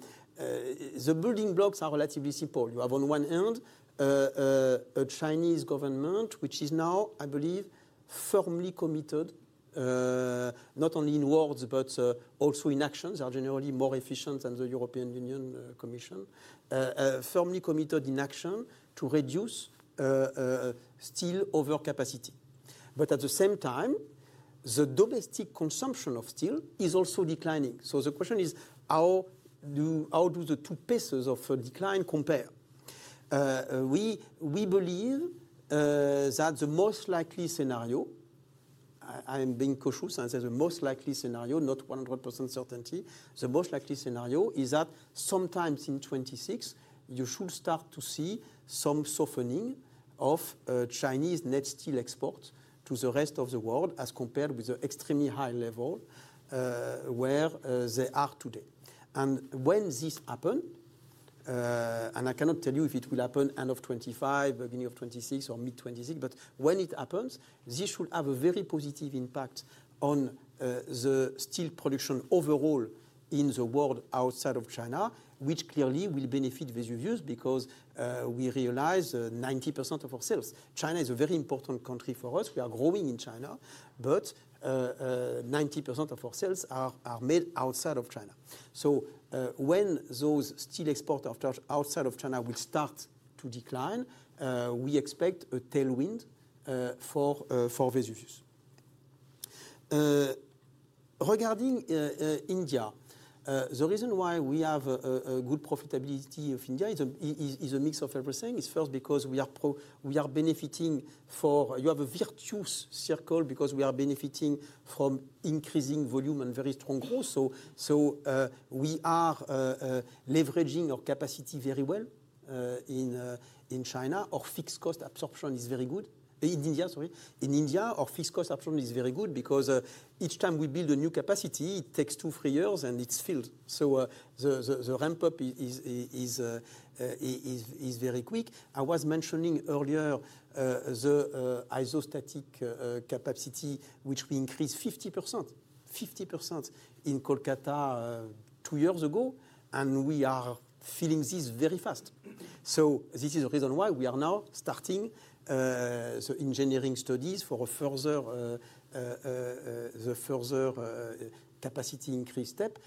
building blocks are relatively simple. You have on one hand a Chinese. Government, which is now, I believe, firmly. Committed not only in words but also in actions, are generally more efficient than the European Union Commission, firmly committed in action to reduce steel overcapacity. At the same time, the domestic. Consumption of steel is also declining. The question is, how do the two paces of decline compare? We believe that the most likely scenario, I am being cautious, I say the most likely scenario, not 100% certainty. The most likely scenario is that sometime in 2026 you should start to see. Some softening of Chinese net steel exports. To the rest of the world as compared with the extremely high level where they are today. When this happens, and I cannot tell you if it will happen end of 2025, beginning of 2026, or mid 2026, when it happens, this should have a very positive impact on the steel production overall in the world outside of China, which clearly will benefit Vesuvius because we realize 90% of our sales. China is a very important country for us. We are growing in China, but 90%. Of our sales are made outside of China. When those steel exports outside of China will start to decline, we expect a tailwind for Vesuvius. Regarding India, the reason why we have a good profitability of India is a mix of everything. It is first because we are benefiting for. You have a virtuous circle because. Because we are benefiting from increasing volume. Very strong growth. We are leveraging our capacity very well. In China, our fixed cost absorption is very good. In India, our fixed cost absorption is very good because each time we build. A new capacity, it takes two, three years and it's filled. The ramp up is very quick. I was mentioning earlier the isostatic capacity, which we increased 50% in Kolkata. Two years ago, and we are filling this very fast. This is the reason why we are now starting the engineering studies for the further capacity increase step.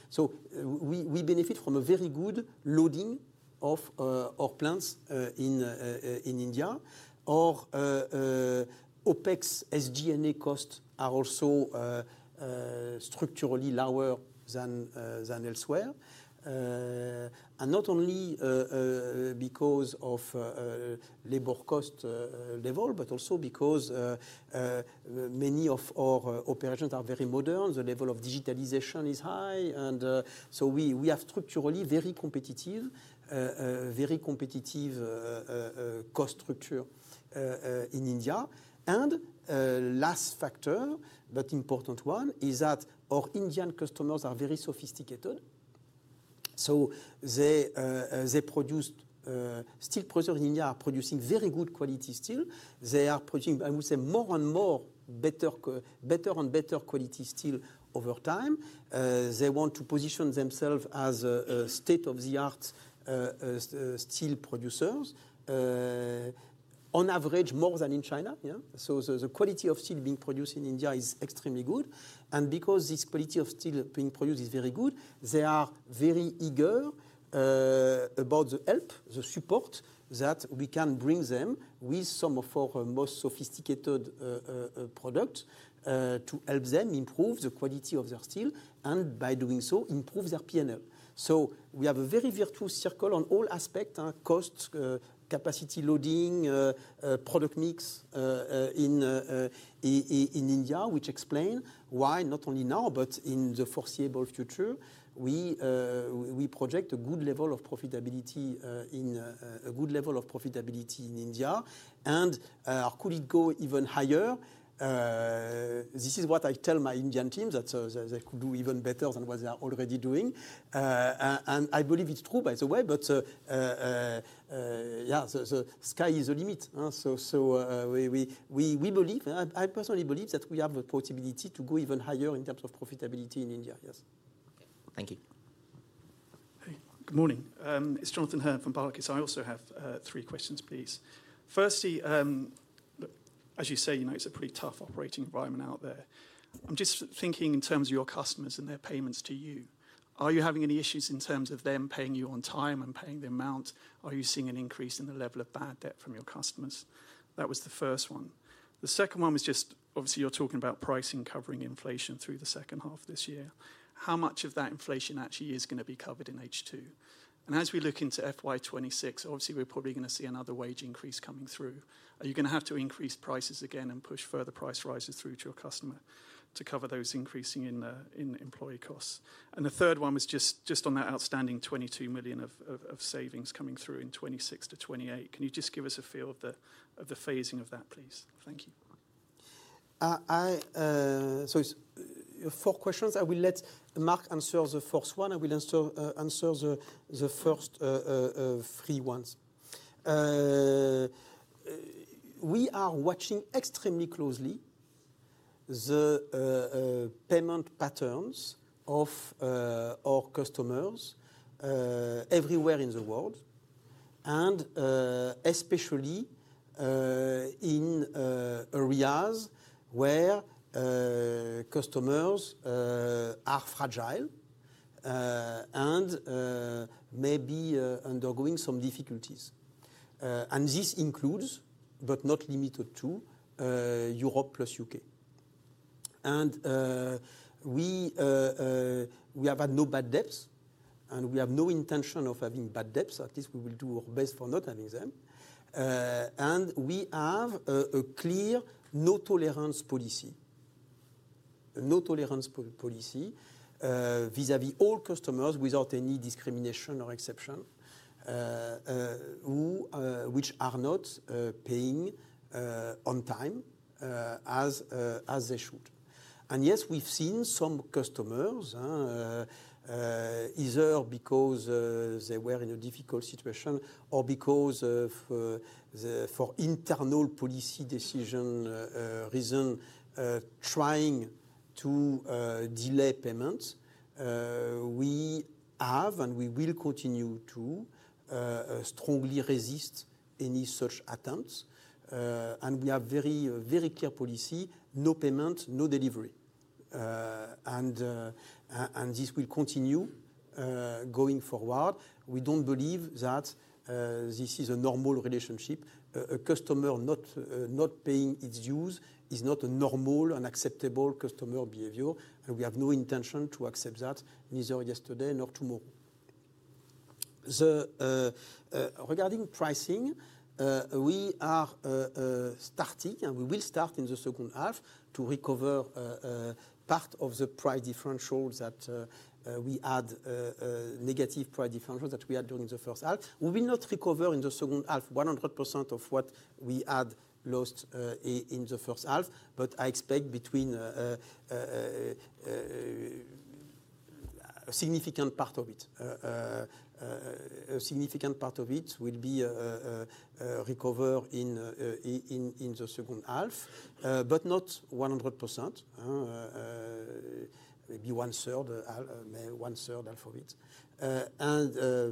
We benefit from a very good loading of our plants in India. Our OpEx SG&A costs are also structurally lower than elsewhere, not only because of labor cost level but also because many of our operations are very modern, the level of digitalization is high. We have structurally very competitive, very competitive cost structure in India. Last factor but important one is that our Indian customers are very sophisticated. They produce steel process in India. Are producing very good quality steel. They are producing, I would say, more and more better and better quality steel over time. They want to position themselves as state-of-the-art steel producers on average more than in China. The quality of steel being produced in India is extremely good. Because this quality of steel being produced is very good, they are very eager about the help, the support that we can bring them with some of our most sophisticated products to help them improve the quality of their steel and by doing so improve their P&L. We have a very virtuous. Circle on all aspects: cost, capacity, loading, product mix. In India, which explains why. Not only now but in the foreseeable future we project a good level of profitability in India. Could it go even higher? This is what I tell my India. The team could do even better than what they are already doing. I believe it's true, by the way. The sky is the limit. We believe, I personally believe that. We have the possibility to go even. Higher in terms of profitability in India. Yes, thank you. Good morning, it's Jonathan Hurn from Barclays. I also have three questions, please. Firstly, as you say, it's a pretty tough operating environment out there. I'm just thinking in terms of your customers and their payments to you. Are you having any issues in terms of them paying you on time and paying the amount? Are you seeing an increase in the level of bad debt from your customers? That was the first one. The second one was just obviously you're talking about pricing, covering inflation through the second half this year. How much of that inflation actually is going to be covered in H2? As we look into FY 2026, obviously we're probably going to see another wage increase coming through. You're going to have to increase prices again and push further price rises through to a customer to cover those increasing in employee costs. The third one was just on that outstanding 22 million of savings coming through in 2026 to 2028. Can you just give us a feel of the phasing of that, please? Thank you. Are four questions. I will let Marc answer the first one. I will answer the first three ones. We are watching extremely closely the payment patterns of our customers everywhere in the world, especially in areas where customers are fragile and may be undergoing some difficulties. This includes, but is not limited to, Europe plus U.K.. We have had no bad debts. We have no intention of having bad debts. At least we will do our best for not having them. We have a clear no tolerance policy, no tolerance policy vis-à-vis all customers without any discrimination or exception which are not paying on time as they should. Yes, we've seen some customers. Either because they were in a difficult situation, or because for inter policy decision reason, trying to delay payments. We have and we will continue to. strongly resist any such attempts. We have very, very clear policy. No payment, no delivery. This will continue going forward. We don't believe that this is a normal relationship. A customer not paying its dues is not a normal and acceptable customer behavior. We have no intention to accept that, neither yesterday nor tomorrow. Regarding pricing, we are starting, and we will start in the second half to recover part of the price differential that we had, negative price differential that we had during the first half. We will not recover in the second. Half, 100% of what we had. Lost in the first half. I expect a significant part of it will be recovered in the second half, but not 100%, maybe 1/3,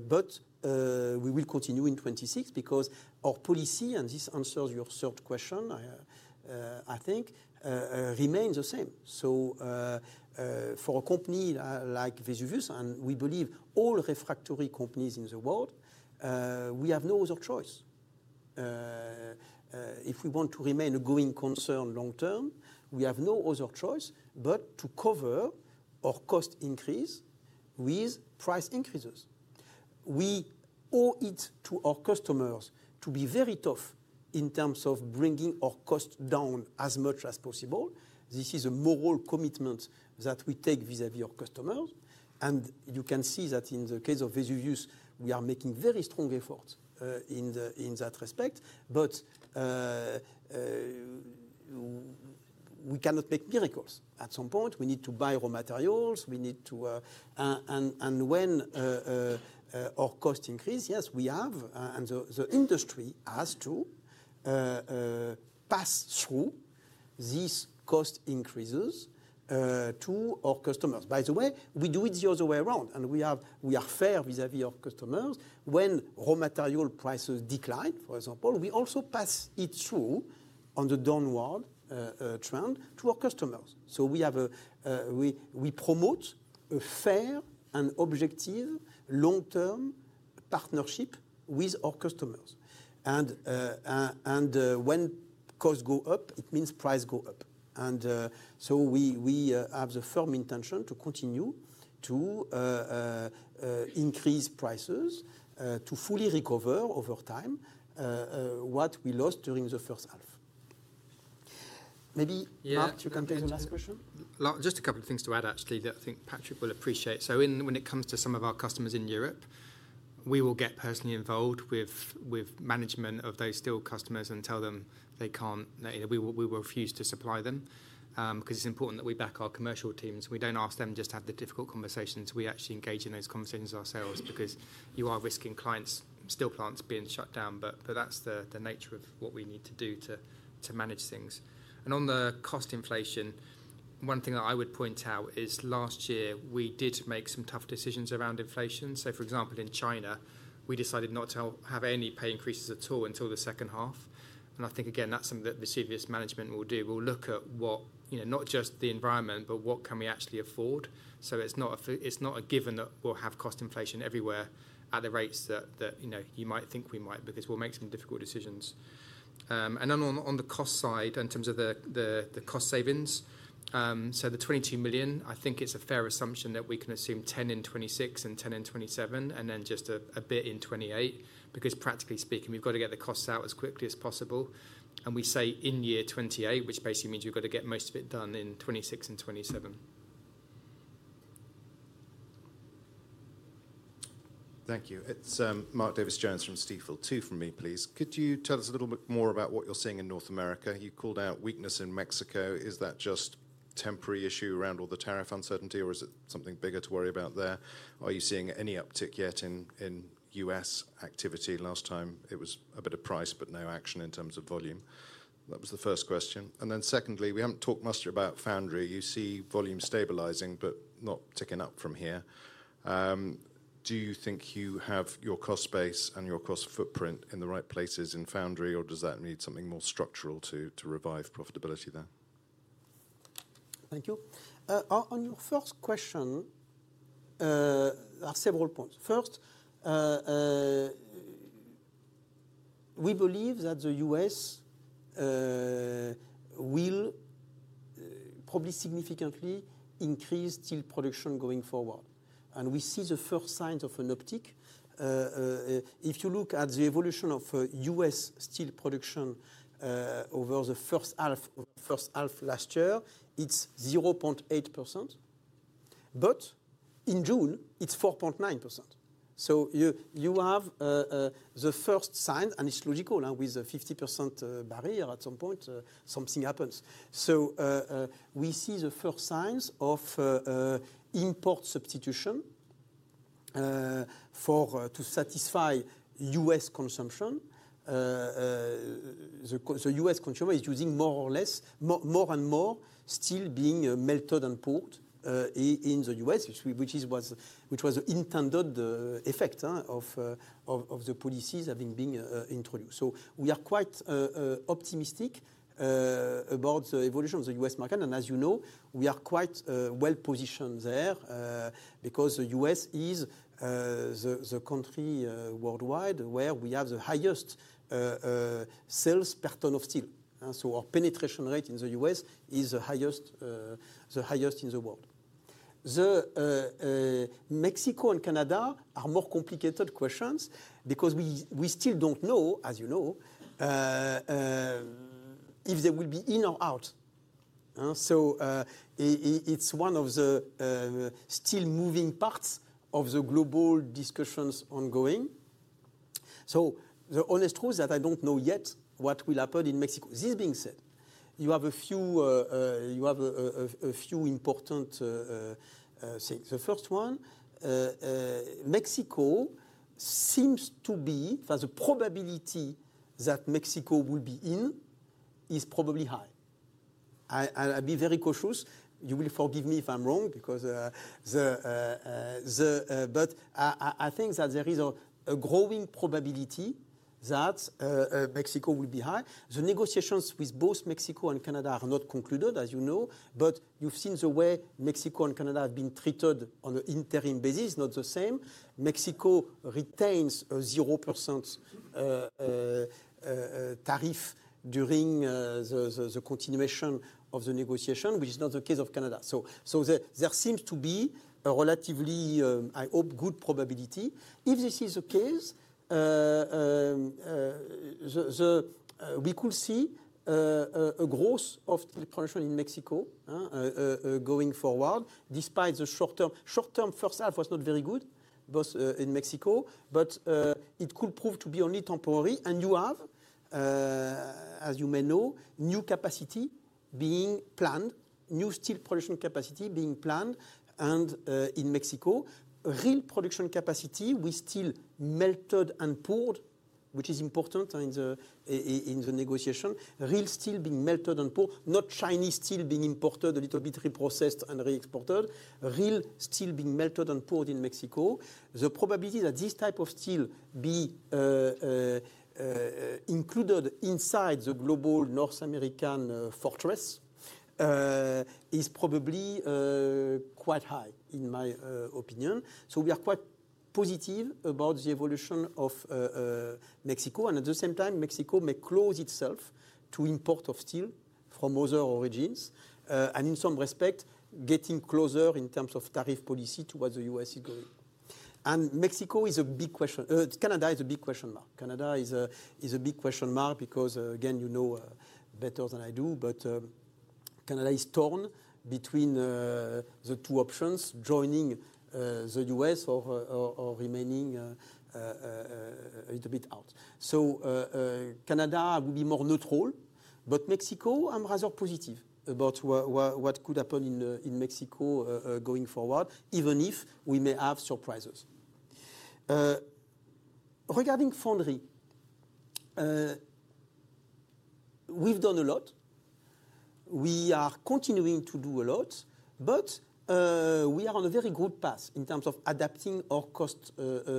but we will continue in 2026 because our policy, and this answers your third question, I think, remains the same. For a company like Vesuvius, and we believe all refractory companies in the world, we have no other choice if we want to remain a going concern long term. We have no other choice but to. Cover our cost increase with price increases. We owe it to our customers too. Be very tough in terms of bringing. Our costs down as much as possible. This is a moral commitment that we take vis-à-vis our customers. You can see that in the case of Vesuvius, we are making very strong efforts in that respect. But. We cannot make miracles. At some point we need to buy raw materials. We need to. When our costs increase, yes, we have, and the industry has to pass through these cost increases to our customers. By the way, we do it the other. We are fair with heavier customers. When raw material prices decline, for example. We also pass it through on the. Downward trend to our customers. We promote a fair and objective. Long-term partnership with our customers. When costs go up, it means prices go up. We have the firm intention to continue to increase prices to fully recover over time what we lost during the first half. Maybe you can take the last question. Just a couple of things to add actually that I think Patrick will appreciate. When it comes to some of our customers in Europe, we will get personally involved with management of those steel customers and tell them they can't. We will refuse to supply them because it's important that we back our commercial teams. We don't ask them just to have the difficult conversations. We actually engage in those conversations ourselves because you are risking clients, steel plants being shut down. That's the nature of what we need to do to manage things. On the cost inflation, one thing that I would point out is last year we did make some tough decisions around inflation. For example, in China we decided not to have any pay increases at all until the second half. I think again, that's something that the Vesuvius management will do. We'll look at what, not just the environment, but what can we actually afford. It's not a given that we'll have cost inflation everywhere at the rates that you might think we might, because we'll make some difficult decisions. On the cost side, in terms of the cost savings, the 22 million, I think it's a fair assumption that we can assume 10 million in 2026 and 10 million in 2027 and then just a bit in 2028, because practically speaking, we've got to get the costs out as quickly as possible. We say in year 2028, which basically means we've got to get most of it done in 2026 and 2027. Thank you. It's Mark Davis Jones from Stifel. Two from me, please. Could you tell us a little bit more about what you're seeing in North America? You called out weakness in Mexico. Is that just a temporary issue around all the tariff uncertainty, or is it something bigger to worry about there? Are you seeing any uptick yet in U.S. activity? Last time it was a bit of price but no action in terms of volume. That was the first question. Secondly, we haven't talked much about Foundry. You see volume stabilizing but not ticking up from here. Do you think you have your cost base and your cost footprint in the right places in Foundry, or does that need something more structural to revive profitability there? Thank you. On your first question. There are several points. First. We believe that the U.S. will probably significantly increase steel production going forward. We see the first signs of an uptick. If you look at the evolution of U.S. steel production over the first half. Last year it's 0.8% but in June it's 4.9%. You have the first sign, and it's logical with a 50% barrier. At some point, something happens. We see the first signs of import. Substitution to satisfy U.S. consumption. The U.S. consumer is using more or less more and more steel being melted and poured in the U.S., which was the intended effect of the policies having been introduced. We are quite optimistic about the evolution of the U.S. market, and as you know, we are quite well positioned there because the U.S. is the country worldwide where we have the highest sales per ton of steel. Our penetration rate in the U.S. Is the highest in the world. Mexico and Canada are more complicated questions. Because we still don't know, as you. Know. If they will be in or out. It is one of the still moving parts of the global discussions ongoing. The honest truth is that I don't. Know yet what will happen in Mexico. This being said, you have a few important things. The first one, Mexico seems to be. For the probability that Mexico will be. In is probably high. I'll be very cautious. You will forgive me if I'm wrong. Because I think that there is a growing probability that Mexico will be high. The negotiations with both Mexico and Canada are not concluded, as you know. You've seen the way Mexico and. Canada have been treated on an interim dividend. Basis, not the same. Mexico retains a 0% tariff during the continuation of the negotiation, which is not the case of Canada. There seems to be a relatively, I hope, good probability. If this is the case, we could see a growth of production in Mexico going forward despite the short term. The short term first half was not very good both in Mexico, but it could prove to be only temporary. You have, as you may know. New capacity being planned. New steel production capacity being planned in Mexico. Real production capacity with steel melted and poured, which is important in the negotiation. Real steel being melted and poured, not. Chinese steel being imported a little bit. Reprocessed and re-exported. Real steel being melted and poured in Mexico. The probability that this type of steel be included inside the global North American. Fortress is probably quite high in my opinion. We are quite positive about the evolution of Mexico, and at the same time, Mexico may close itself to import of steel from other origins, in some respect getting closer in. Terms of tariff policy towards the U.S. Is to going and Mexico is a big question. Canada is a big question mark. Canada is a big question mark because again you know better than I do, but Canada is torn between the two options, joining the U.S. or remaining a little bit out. Canada will be more neutral. Mexico, I'm rather positive about what. Could happen in Mexico going forward. Even if we may have surprises. Regarding Foundry. We've done a lot, we are continuing to do a lot, but we are on a very good path in terms of adapting our cost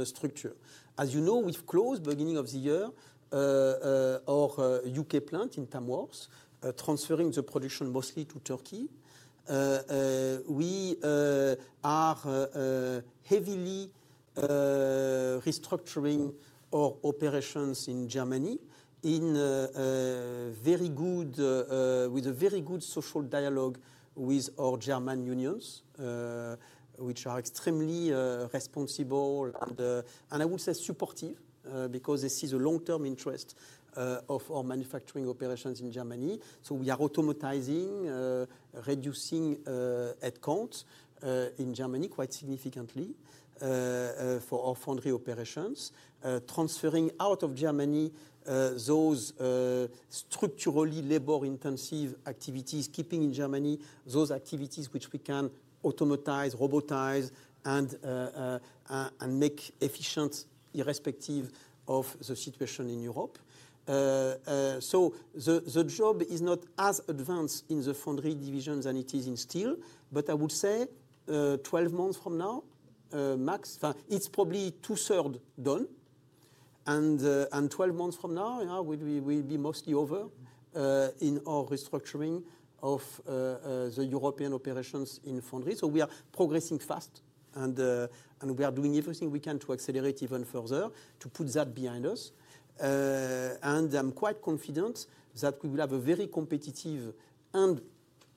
structure. As you know, we've closed beginning of the year our U.K. plant in Tamworth, transferring the production mostly to Turkey. We are heavily restructuring our operations in Germany, with a very good social dialogue with our German unions, which are extremely responsible and I would say supportive because they see the long term interest of our manufacturing operations in Germany. We are automatizing, reducing headcount in Germany quite significantly for our Foundry operations, transferring out of Germany those structurally labor intensive activities, keeping in Germany those activities which we can automatize, robotize, and make efficient irrespective of the situation in Europe. The job is not as advanced. in the Foundry division than it is in Steel. I would say 12 months from now, max it's probably two thirds done. Twelve months from now we'll be mostly over in our restructuring of the European operations in Foundry. We are progressing fast and we are doing everything we can to accelerate even further to put that behind us. I'm quite confident that we will. Have a very competitive and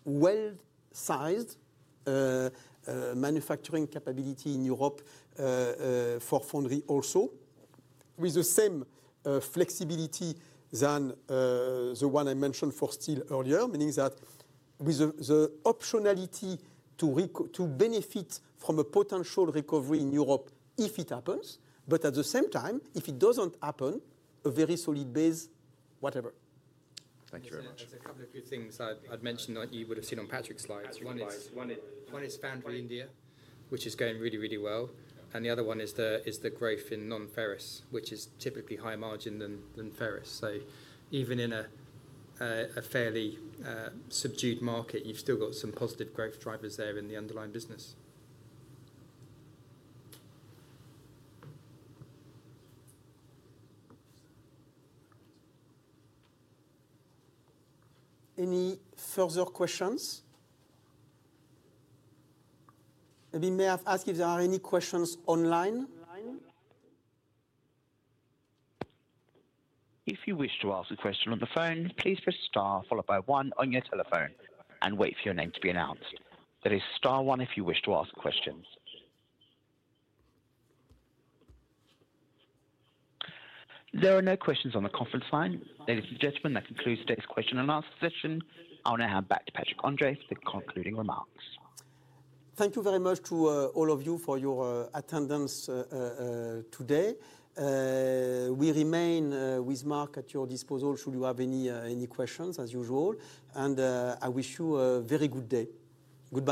well sized. Manufacturing capability in Europe for Foundry also. With the same flexibility as the one. I mentioned for Steel earlier. Meaning that with the optionality to benefit from a potential recovery in Europe if it happens, but at the same time, if it doesn't happen, a very solid base, whatever. Thank you very much. There are a couple of good things I'd mention that you would have seen on Patrick's slides. One is India, which is going really, really well. The other one is the growth in non-ferrous, which is typically higher margin than ferrous. Even in a fairly subdued market, you've still got some positive growth drivers there in the underlying business. Any further questions? If there are any questions online. If you wish to ask a question on the phone, please press star followed by one on your telephone and wait for your name to be announced. That is star one. If you wish to ask questions, there are no questions on the conference line. Ladies and gentlemen, that concludes today's question-and-answer session. I'll now hand back to Patrick André for the concluding remarks. Thank you very much to all of you for your attendance today. We remain with Marc at your disposal should you have any questions, as usual, and I wish you a very good day. Goodbye.